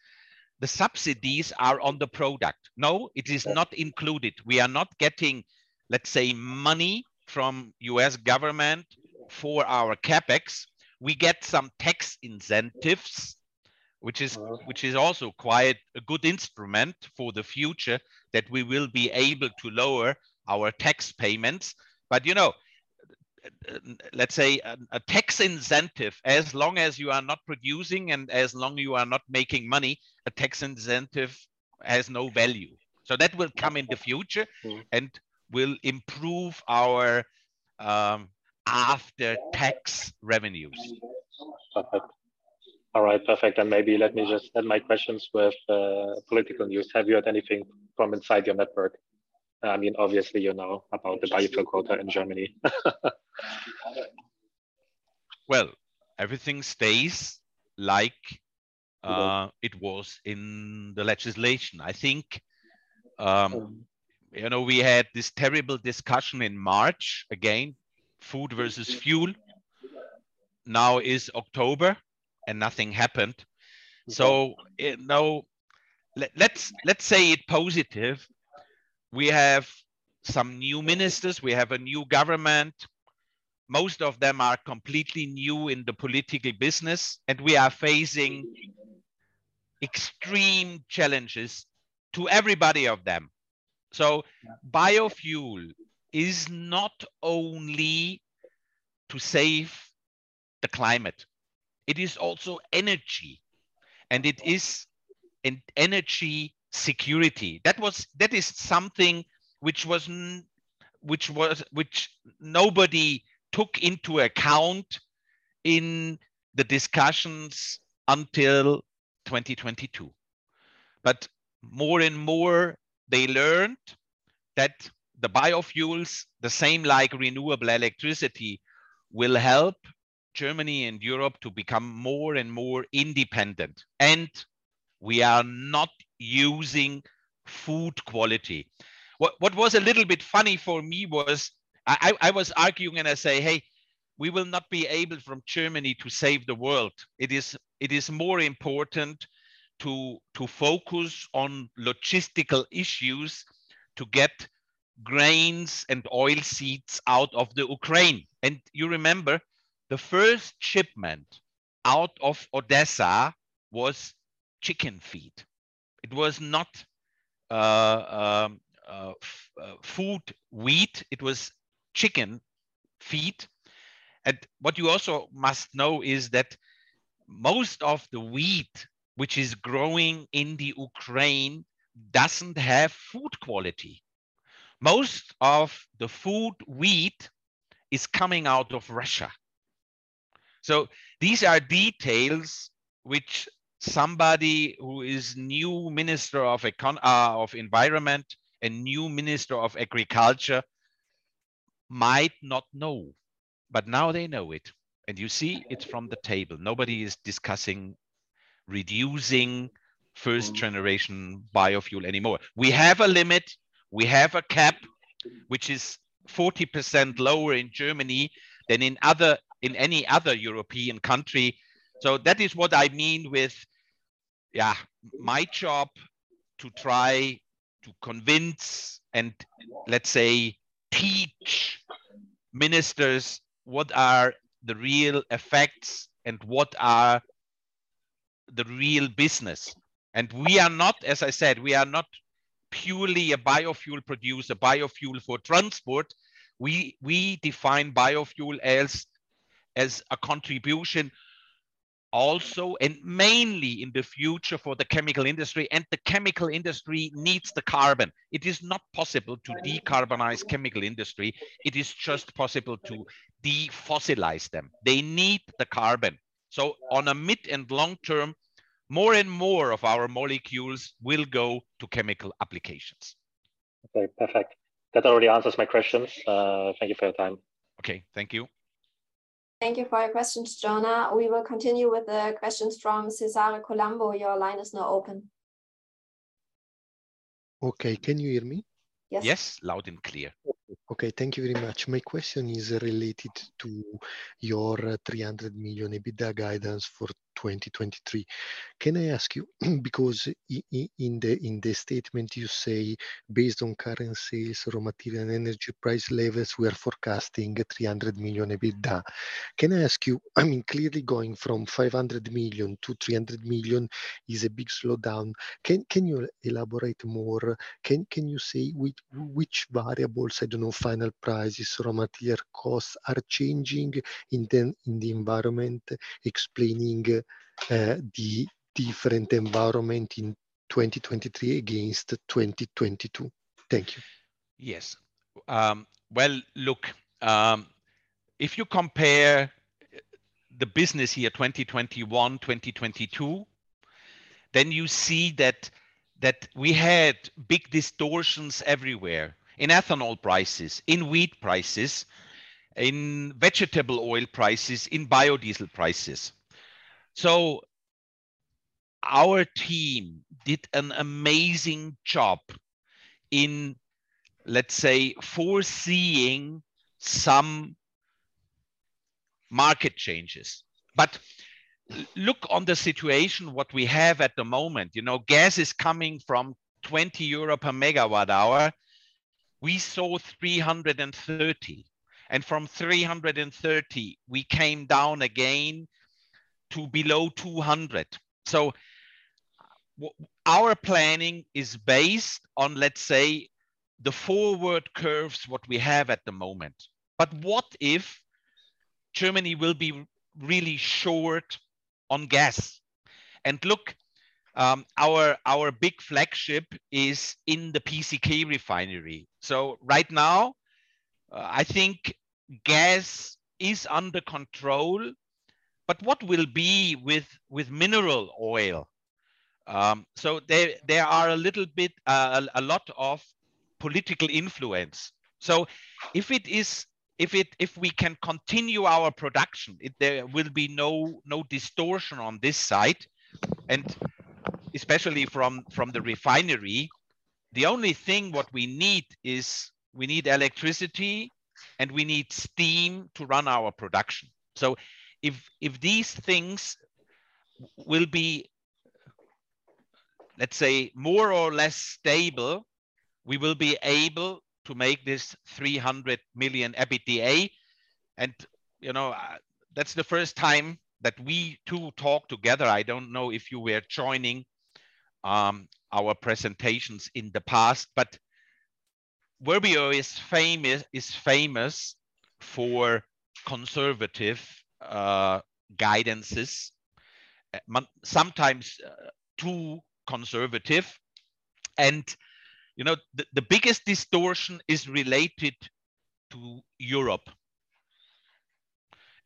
the subsidies are on the product. No, it is not included. We are not getting, let's say, money from U.S. government for our CapEx. We get some tax incentives, which is Mm-hmm which is also quite a good instrument for the future that we will be able to lower our tax payments. You know, let's say a tax incentive, as long as you are not producing and as long you are not making money, a tax incentive has no value. That will come in the future. Mm-hmm. will improve our after-tax revenues. Perfect. All right, perfect. Maybe let me just end my questions with political news. Have you heard anything from inside your network? I mean, obviously, you know about the biofuel quota in Germany. Well, everything stays like it was in the legislation. I think, you know, we had this terrible discussion in March again, food versus fuel. Now is October and nothing happened. Let's say it positive. We have some new ministers. We have a new government. Most of them are completely new in the political business, and we are facing extreme challenges to everybody of them. Biofuel is not only to save the climate, it is also energy, and it is an energy security. That is something which nobody took into account in the discussions until 2022. More and more, they learned that the biofuels, the same like renewable electricity, will help Germany and Europe to become more and more independent, and we are not using food quality. What was a little bit funny for me was I was arguing and I say, "Hey, we will not be able from Germany to save the world. It is more important to focus on logistical issues to get grains and oil seeds out of the Ukraine." You remember the first shipment out of Odesa was chicken feed. It was not food wheat, it was chicken feed. What you also must know is that most of the wheat which is growing in the Ukraine doesn't have food quality. Most of the food wheat is coming out of Russia. These are details which somebody who is new minister of environment, a new minister of agriculture might not know, but now they know it. You see it from the table. Nobody is discussing reducing first generation biofuel anymore. We have a limit. We have a cap, which is 40% lower in Germany than in other, in any other European country. That is what I mean with, yeah, my job to try to convince and, let's say, teach ministers what are the real effects and what are the real business. We are not, as I said, we are not purely a biofuel producer, biofuel for transport. We define biofuel as a contribution also, and mainly in the future for the chemical industry, and the chemical industry needs the carbon. It is not possible to decarbonize chemical industry. It is just possible to defossilize them. They need the carbon. On a mid- and long-term, more and more of our molecules will go to chemical applications. Okay. Perfect. That already answers my questions. Thank you for your time. Okay. Thank you. Thank you for your questions, Jonah. We will continue with the questions from Cesare Colombo. Your line is now open. Okay. Can you hear me? Yes. Yes. Loud and clear. Okay. Thank you very much. My question is related to your 300 million EBITDA guidance for 2023. Can I ask you, because in the statement you say, based on current sales, raw material, and energy price levels, we are forecasting 300 million EBITDA. Can I ask you, I mean, clearly going from 500 million to 300 million is a big slowdown. Can you elaborate more? Can you say which variables, I don't know, final prices, raw material costs are changing in the environment, explaining the different environment in 2023 against 2022? Thank you. Yes. Well, look, if you compare the business year 2021, 2022, then you see that we had big distortions everywhere, in ethanol prices, in wheat prices, in vegetable oil prices, in biodiesel prices. Our team did an amazing job in, let's say, foreseeing some market changes. Look at the situation that we have at the moment. You know, gas is coming from 20 euro per MWh. We saw 330, and from 330 we came down again to below 200. Our planning is based on, let's say, the forward curves that we have at the moment. What if Germany will be really short on gas? Look, our big flagship is in the PCK refinery. Right now, I think gas is under control, but what will be with mineral oil? There are a little bit, a lot of political influence. If we can continue our production, there will be no distortion on this side, and especially from the refinery. The only thing what we need is we need electricity, and we need steam to run our production. If these things will be, let's say, more or less stable, we will be able to make this 300 million EBITDA. You know, that's the first time that we two talk together. I don't know if you were joining our presentations in the past, but Verbio is famous for conservative guidances, sometimes too conservative. You know, the biggest distortion is related to Europe.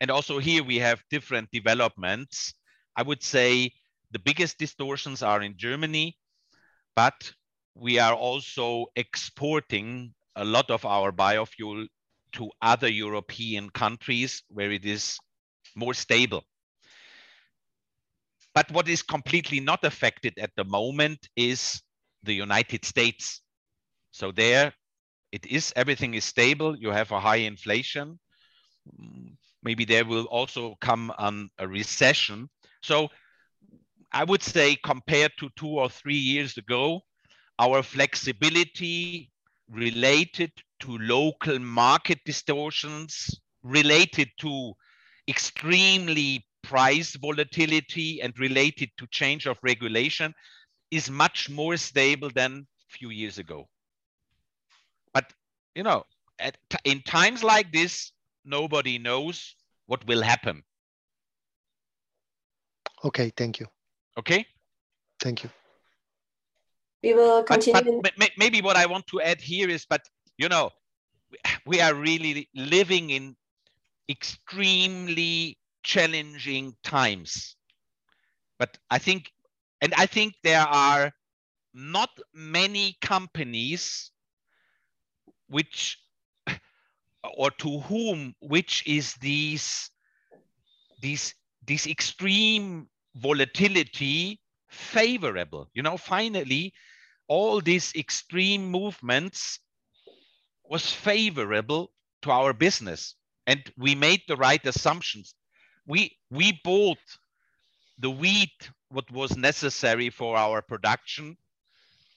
Also here we have different developments. I would say the biggest distortions are in Germany, but we are also exporting a lot of our biofuel to other European countries where it is more stable. What is completely not affected at the moment is the United States. There it is, everything is stable. You have a high inflation. Maybe there will also come a recession. I would say compared to two or three years ago, our flexibility related to local market distortions, related to extremely price volatility, and related to change of regulation is much more stable than a few years ago. You know, in times like this, nobody knows what will happen. Okay. Thank you. Okay? Thank you. We will continue. What I want to add here is, you know, we are really living in extremely challenging times. I think there are not many companies to whom this extreme volatility is favorable. You know, finally, all these extreme movements were favorable to our business, and we made the right assumptions. We bought the wheat what was necessary for our production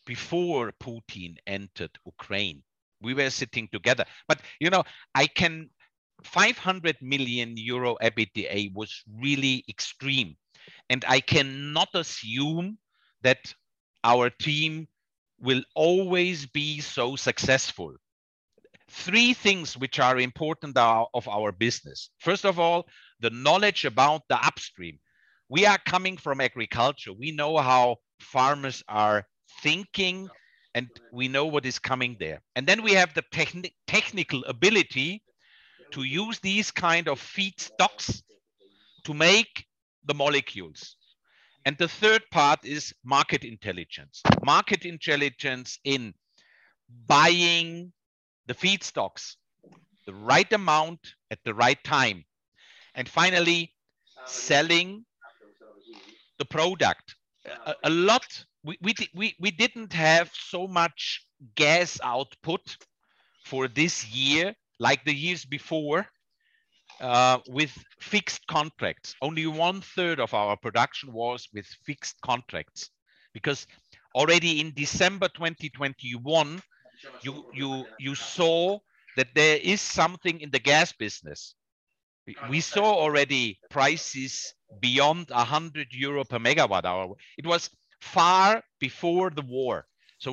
before Putin entered Ukraine. We were sitting together. You know, 500 million euro EBITDA was really extreme, and I cannot assume that our team will always be so successful. Three things which are important are of our business. First of all, the knowledge about the upstream. We are coming from agriculture. We know how farmers are thinking, and we know what is coming there. We have the technical ability to use these kind of feedstocks to make the molecules. The third part is market intelligence. Market intelligence in buying the feedstocks, the right amount at the right time, and finally, selling the product. We didn't have so much gas output for this year like the years before with fixed contracts. Only one-third of our production was with fixed contracts. Because already in December 2021, you saw that there is something in the gas business. We saw already prices beyond 100 euro per megawatt hour. It was far before the war.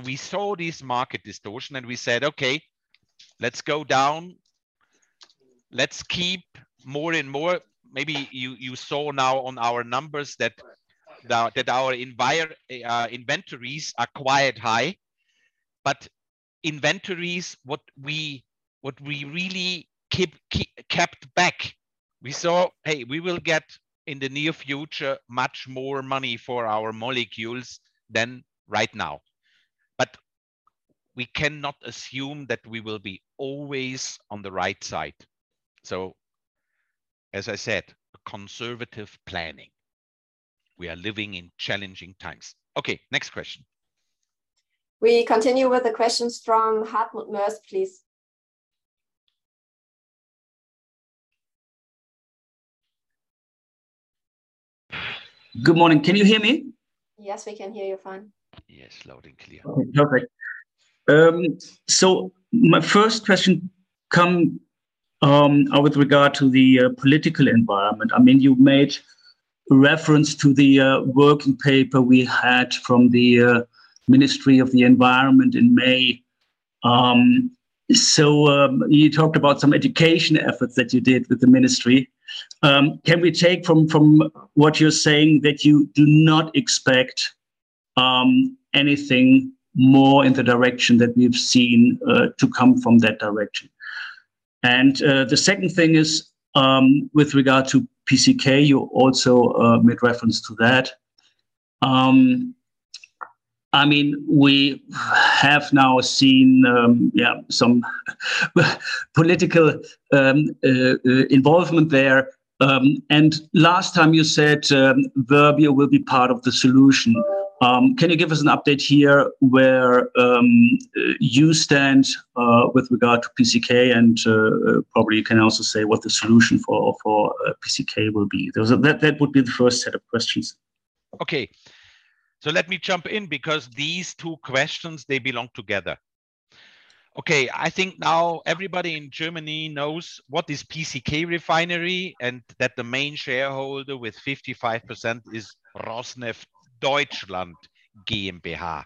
We saw this market distortion, and we said, "Okay, let's go down. Let's keep more and more." Maybe you saw now on our numbers that our inventories are quite high. Inventories, what we really kept back, we saw, hey, we will get in the near future much more money for our molecules than right now. We cannot assume that we will be always on the right side. As I said, conservative planning. We are living in challenging times. Okay, next question. We continue with the questions from Hartmut Moers, please. Good morning. Can you hear me? Yes, we can hear you fine. Yes, loud and clear. Okay. Perfect. My first question comes with regard to the political environment. I mean, you made reference to the working paper we had from the Ministry of the Environment in May. You talked about some education efforts that you did with the ministry. Can we take from what you're saying that you do not expect anything more in the direction that we've seen to come from that direction? The second thing is with regard to PCK, you also made reference to that. I mean, we have now seen some political involvement there. Last time you said Verbio will be part of the solution. Can you give us an update here where you stand with regard to PCK and probably you can also say what the solution for PCK will be? That would be the first set of questions. Okay. Let me jump in because these two questions, they belong together. Okay. I think now everybody in Germany knows what is PCK Raffinerie and that the main shareholder with 55% is Rosneft Deutschland GmbH.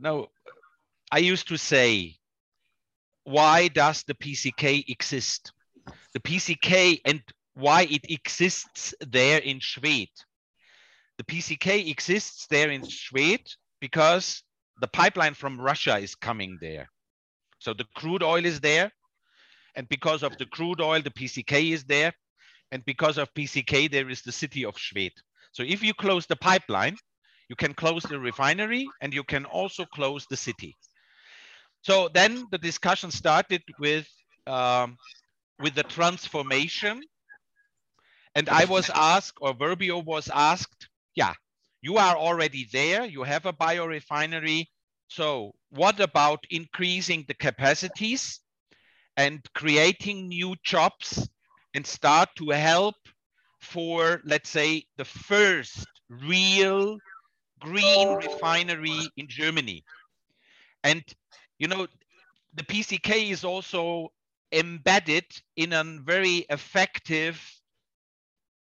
Now I used to say, why does the PCK exist? Why it exists there in Schwedt. The PCK exists there in Schwedt because the pipeline from Russia is coming there. The crude oil is there, and because of the crude oil, the PCK is there, and because of PCK, there is the city of Schwedt. If you close the pipeline, you can close the refinery, and you can also close the city. The discussion started with the transformation, and I was asked, or Verbio was asked, "Yeah, you are already there. You have a biorefinery, so what about increasing the capacities and creating new jobs and start to help for, let's say, the first real green refinery in Germany? You know, the PCK is also embedded in a very effective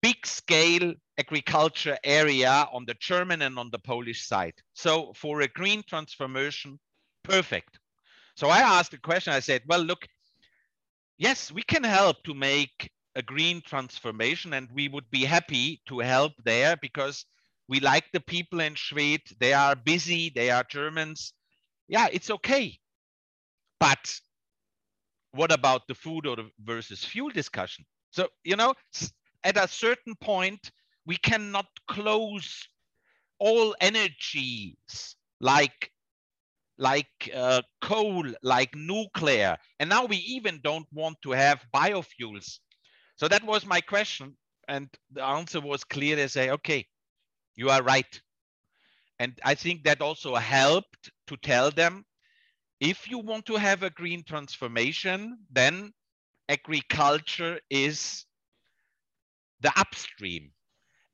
big scale agriculture area on the German and on the Polish side. For a green transformation, perfect. I asked a question, I said, "Well, look, yes, we can help to make a green transformation, and we would be happy to help there because we like the people in Schwedt. They are busy. They are Germans. Yeah, it's okay." What about the food versus fuel discussion? You know, at a certain point, we cannot close all energies like coal, like nuclear, and now we even don't want to have biofuels. That was my question, and the answer was clear. They say, "Okay, you are right." I think that also helped to tell them, if you want to have a green transformation, then agriculture is the upstream.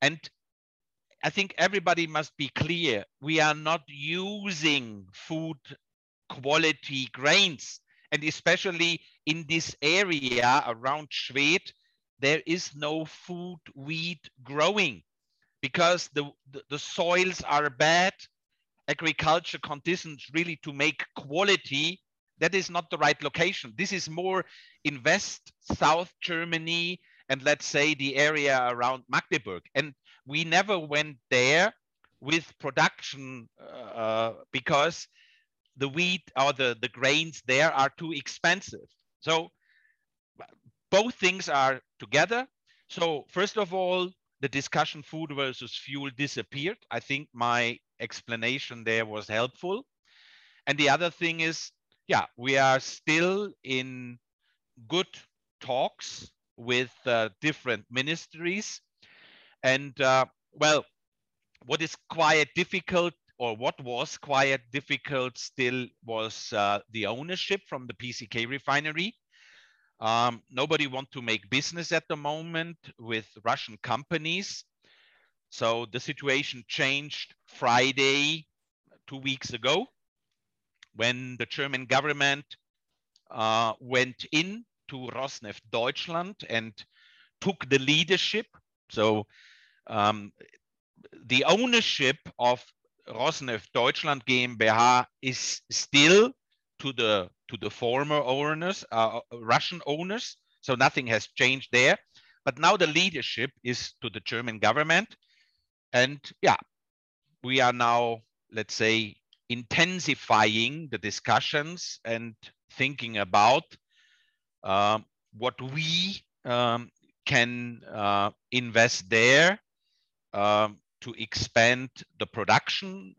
I think everybody must be clear, we are not using food quality grains, and especially in this area around Schwedt, there is no food wheat growing because the soils are bad, agriculture conditions really to make quality, that is not the right location. This is more in West, South Germany and, let's say, the area around Magdeburg. We never went there with production because the wheat or the grains there are too expensive. Both things are together. First of all, the discussion food versus fuel disappeared. I think my explanation there was helpful. The other thing is, yeah, we are still in good talks with different ministries and, well, what is quite difficult or what was quite difficult still was the ownership from the PCK Refinery. Nobody want to make business at the moment with Russian companies. The situation changed Friday, two weeks ago, when the German government went into Rosneft Deutschland and took the leadership. The ownership of Rosneft Deutschland GmbH is still to the, to the former owners, Russian owners, so nothing has changed there. Now the leadership is to the German government. Yeah, we are now, let's say, intensifying the discussions and thinking about what we can invest there to expand the production.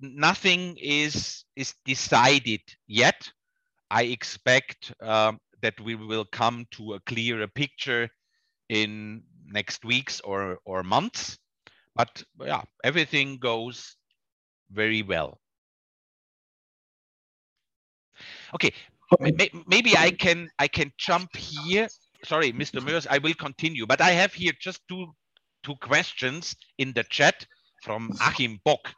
Nothing is decided yet. I expect that we will come to a clearer picture in next weeks or months. Yeah, everything goes very well. Okay. Maybe I can jump here. Sorry, Mr. Moers, I will continue. I have here just two questions in the chat from Achim Bock,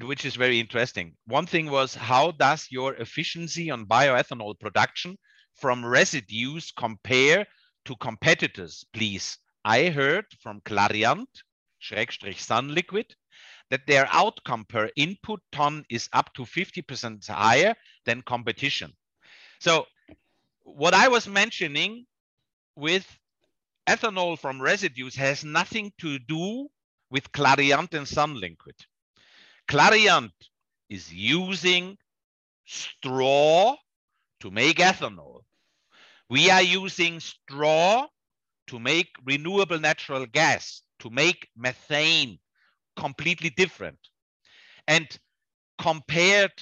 which is very interesting. One thing was: How does your efficiency on bioethanol production from residues compare to competitors, please? I heard from Clariant sunliquid that their outcome per input ton is up to 50% higher than competition. What I was mentioning with ethanol from residues has nothing to do with Clariant and sunliquid. Clariant is using straw to make ethanol. We are using straw to make renewable natural gas, to make methane. Completely different. Compared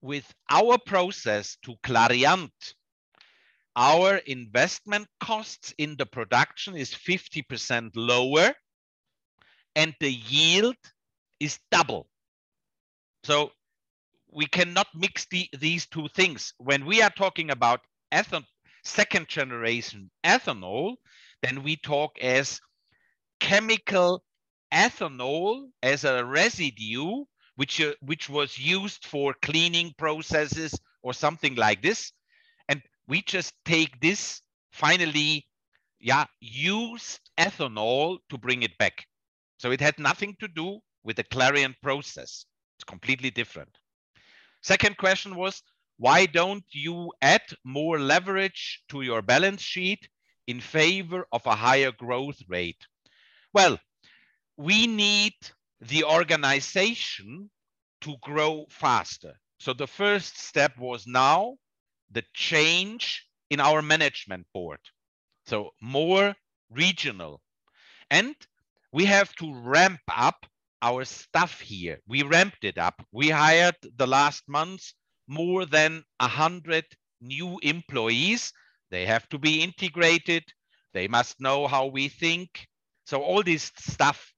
with our process to Clariant, our investment costs in the production is 50% lower and the yield is double. We cannot mix these two things. When we are talking about second generation ethanol, then we talk as chemical ethanol as a residue which was used for cleaning processes or something like this. We just take this finally used ethanol to bring it back. It had nothing to do with the Clariant process. It's completely different. Second question was, why don't you add more leverage to your balance sheet in favor of a higher growth rate? Well, we need the organization to grow faster. The first step was now the change in our management board, so more regional. We have to ramp up our stuff here. We ramped it up. We hired in the last months more than 100 new employees. They have to be integrated. They must know how we think. All this stuff.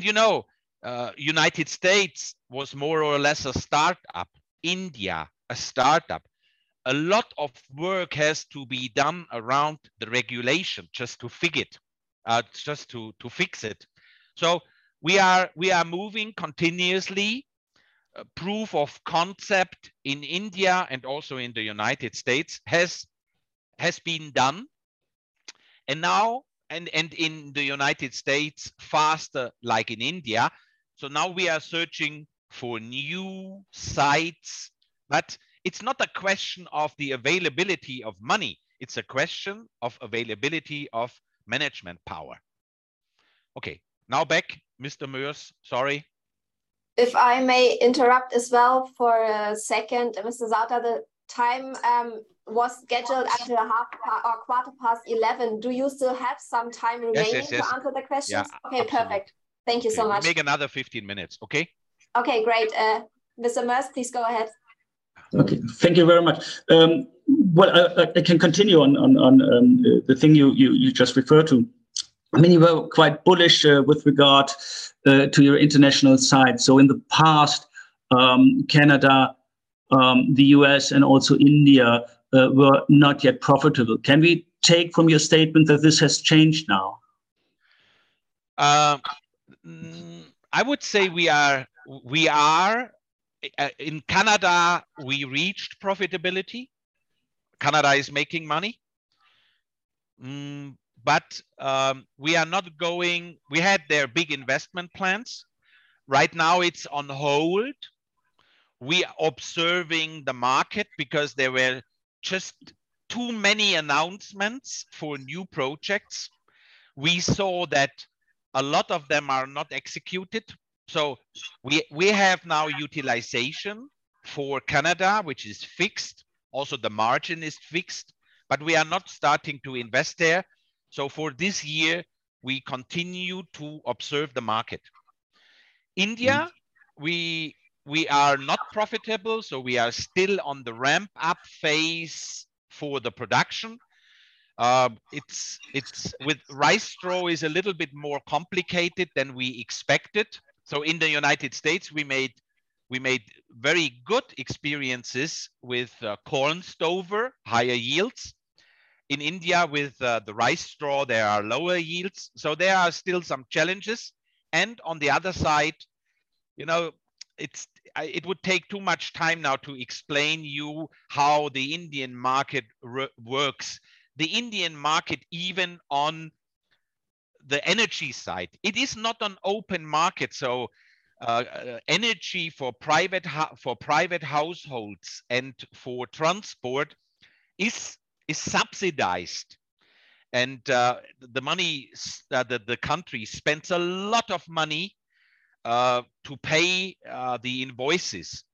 You know, United States was more or less a startup. India, a startup. A lot of work has to be done around the regulation just to figure it, just to fix it. We are moving continuously. Proof of concept in India and also in the United States has been done. Now in the United States faster than in India. Now we are searching for new sites. It's not a question of the availability of money, it's a question of availability of management power. Okay. Now back, Mr. Moers. Sorry. If I may interrupt as well for a second, Mr. Sauter. The time was scheduled until 11:15 A.M. Do you still have some time remaining? Yes. Yes. Yes to answer the questions? Yeah. Absolutely. Okay, perfect. Thank you so much. We make another 15 minutes. Okay? Okay, great. Mr. Moers, please go ahead. Okay. Thank you very much. Well, I can continue on the thing you just referred to. I mean, you were quite bullish with regard to your international side. In the past, Canada, the U.S., and also India were not yet profitable. Can we take from your statement that this has changed now? I would say we are in Canada. We reached profitability. Canada is making money. We had big investment plans there. Right now it's on hold. We are observing the market because there were just too many announcements for new projects. We saw that a lot of them are not executed. We have now utilization for Canada which is fixed. Also the margin is fixed. We are not starting to invest there. For this year we continue to observe the market. In India we are not profitable, so we are still on the ramp-up phase for the production. With rice straw, it's a little bit more complicated than we expected. In the United States we made very good experiences with corn stover, higher yields. In India with the rice straw, there are lower yields. There are still some challenges. On the other side, you know, it would take too much time now to explain you how the Indian market works. The Indian market even on the energy side, it is not an open market, so energy for private households and for transport is subsidized. The country spends a lot of money to pay the invoices.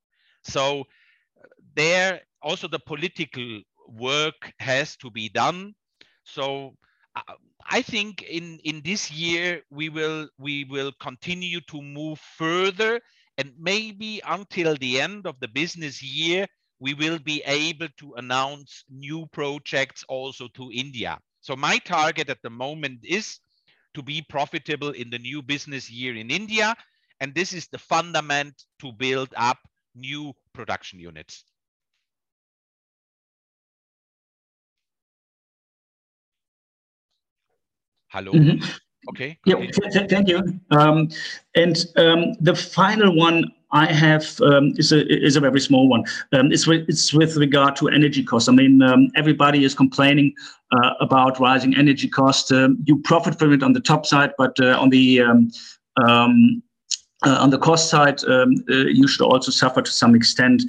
There also the political work has to be done. I think in this year we will continue to move further, and maybe until the end of the business year, we will be able to announce new projects also to India. My target at the moment is to be profitable in the new business year in India, and this is the fundament to build up new production units. Hello? Mm-hmm. Okay. Yeah. Thank you. The final one I have is a very small one. It's with regard to energy costs. I mean, everybody is complaining about rising energy costs. You profit from it on the top side, but on the cost side, you should also suffer to some extent.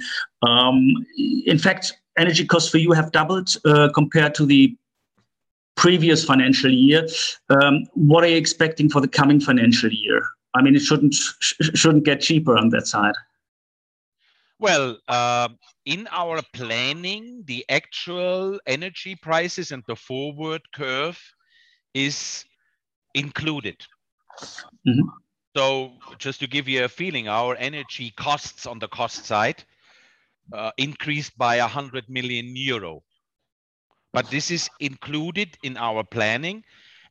In fact, energy costs for you have doubled compared to the previous financial year. What are you expecting for the coming financial year? I mean, it shouldn't get cheaper on that side. Well, in our planning, the actual energy prices and the forward curve is included. Mm-hmm. Just to give you a feeling, our energy costs on the cost side increased by 100 million euro. This is included in our planning,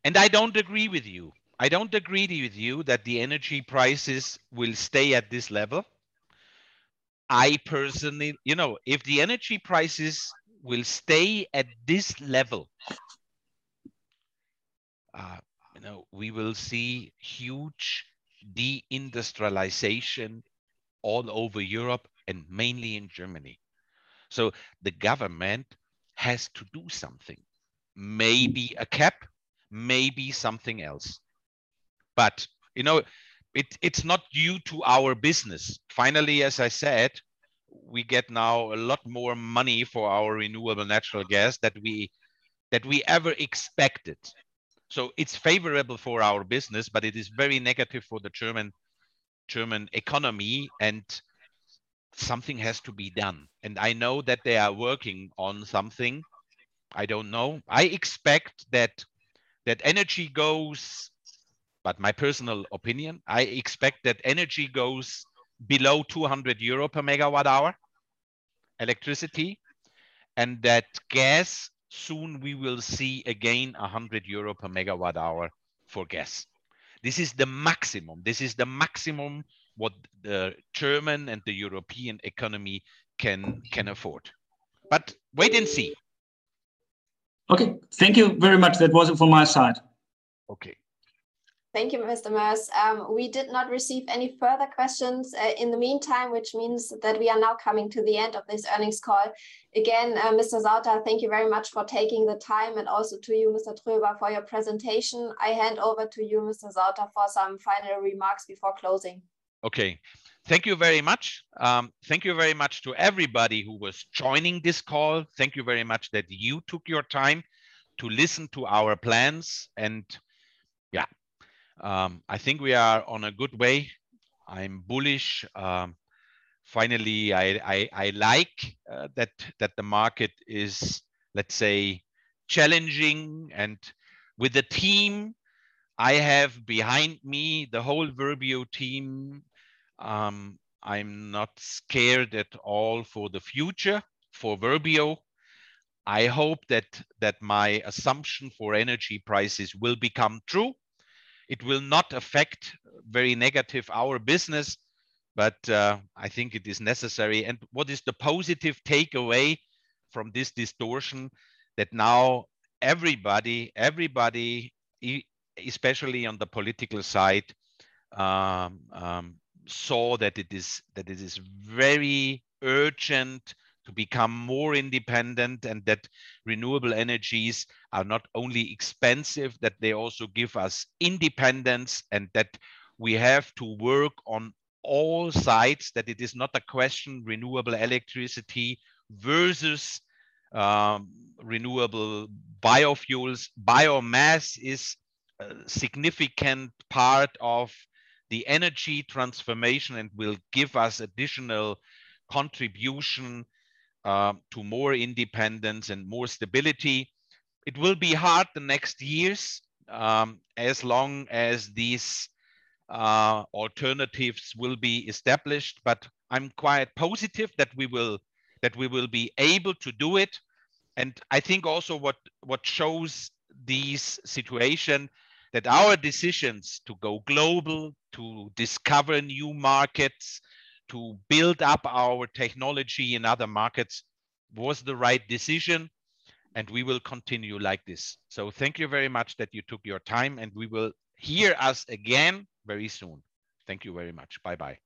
and I don't agree with you. I don't agree with you that the energy prices will stay at this level. I personally you know, if the energy prices will stay at this level, you know, we will see huge de-industrialization all over Europe and mainly in Germany. The government has to do something, maybe a cap, maybe something else. You know, it's not due to our business. Finally, as I said, we get now a lot more money for our renewable natural gas that we ever expected. It's favorable for our business, but it is very negative for the German economy, and something has to be done. I know that they are working on something. I don't know. I expect that energy goes. My personal opinion, I expect that energy goes below 200 euro per MWh electricity, and that gas, soon we will see again 100 euro per MWh for gas. This is the maximum what the German and the European economy can afford. Wait and see. Okay. Thank you very much. That was it from my side. Okay. Thank you, Mr. Moers. We did not receive any further questions, in the meantime, which means that we are now coming to the end of this earnings call. Again, Mr. Sauter, thank you very much for taking the time, and also to you, Mr. Tröber, for your presentation. I hand over to you, Mr. Sauter, for some final remarks before closing. Okay. Thank you very much. Thank you very much to everybody who was joining this call. Thank you very much that you took your time to listen to our plans, and yeah. I think we are on a good way. I'm bullish. Finally, I like that the market is, let's say, challenging. With the team I have behind me, the whole Verbio team, I'm not scared at all for the future for Verbio. I hope that my assumption for energy prices will become true. It will not affect very negative our business, but I think it is necessary. What is the positive takeaway from this distortion, that now everybody, especially on the political side, saw that it is very urgent to become more independent and that renewable energies are not only expensive, that they also give us independence, and that we have to work on all sides. That it is not a question renewable electricity versus renewable biofuels. Biomass is a significant part of the energy transformation and will give us additional contribution to more independence and more stability. It will be hard the next years, as long as these alternatives will be established, but I'm quite positive that we will be able to do it. I think also what shows this situation, that our decisions to go global, to discover new markets, to build up our technology in other markets, was the right decision, and we will continue like this. Thank you very much that you took your time, and we will hear from us again very soon. Thank you very much. Bye-bye.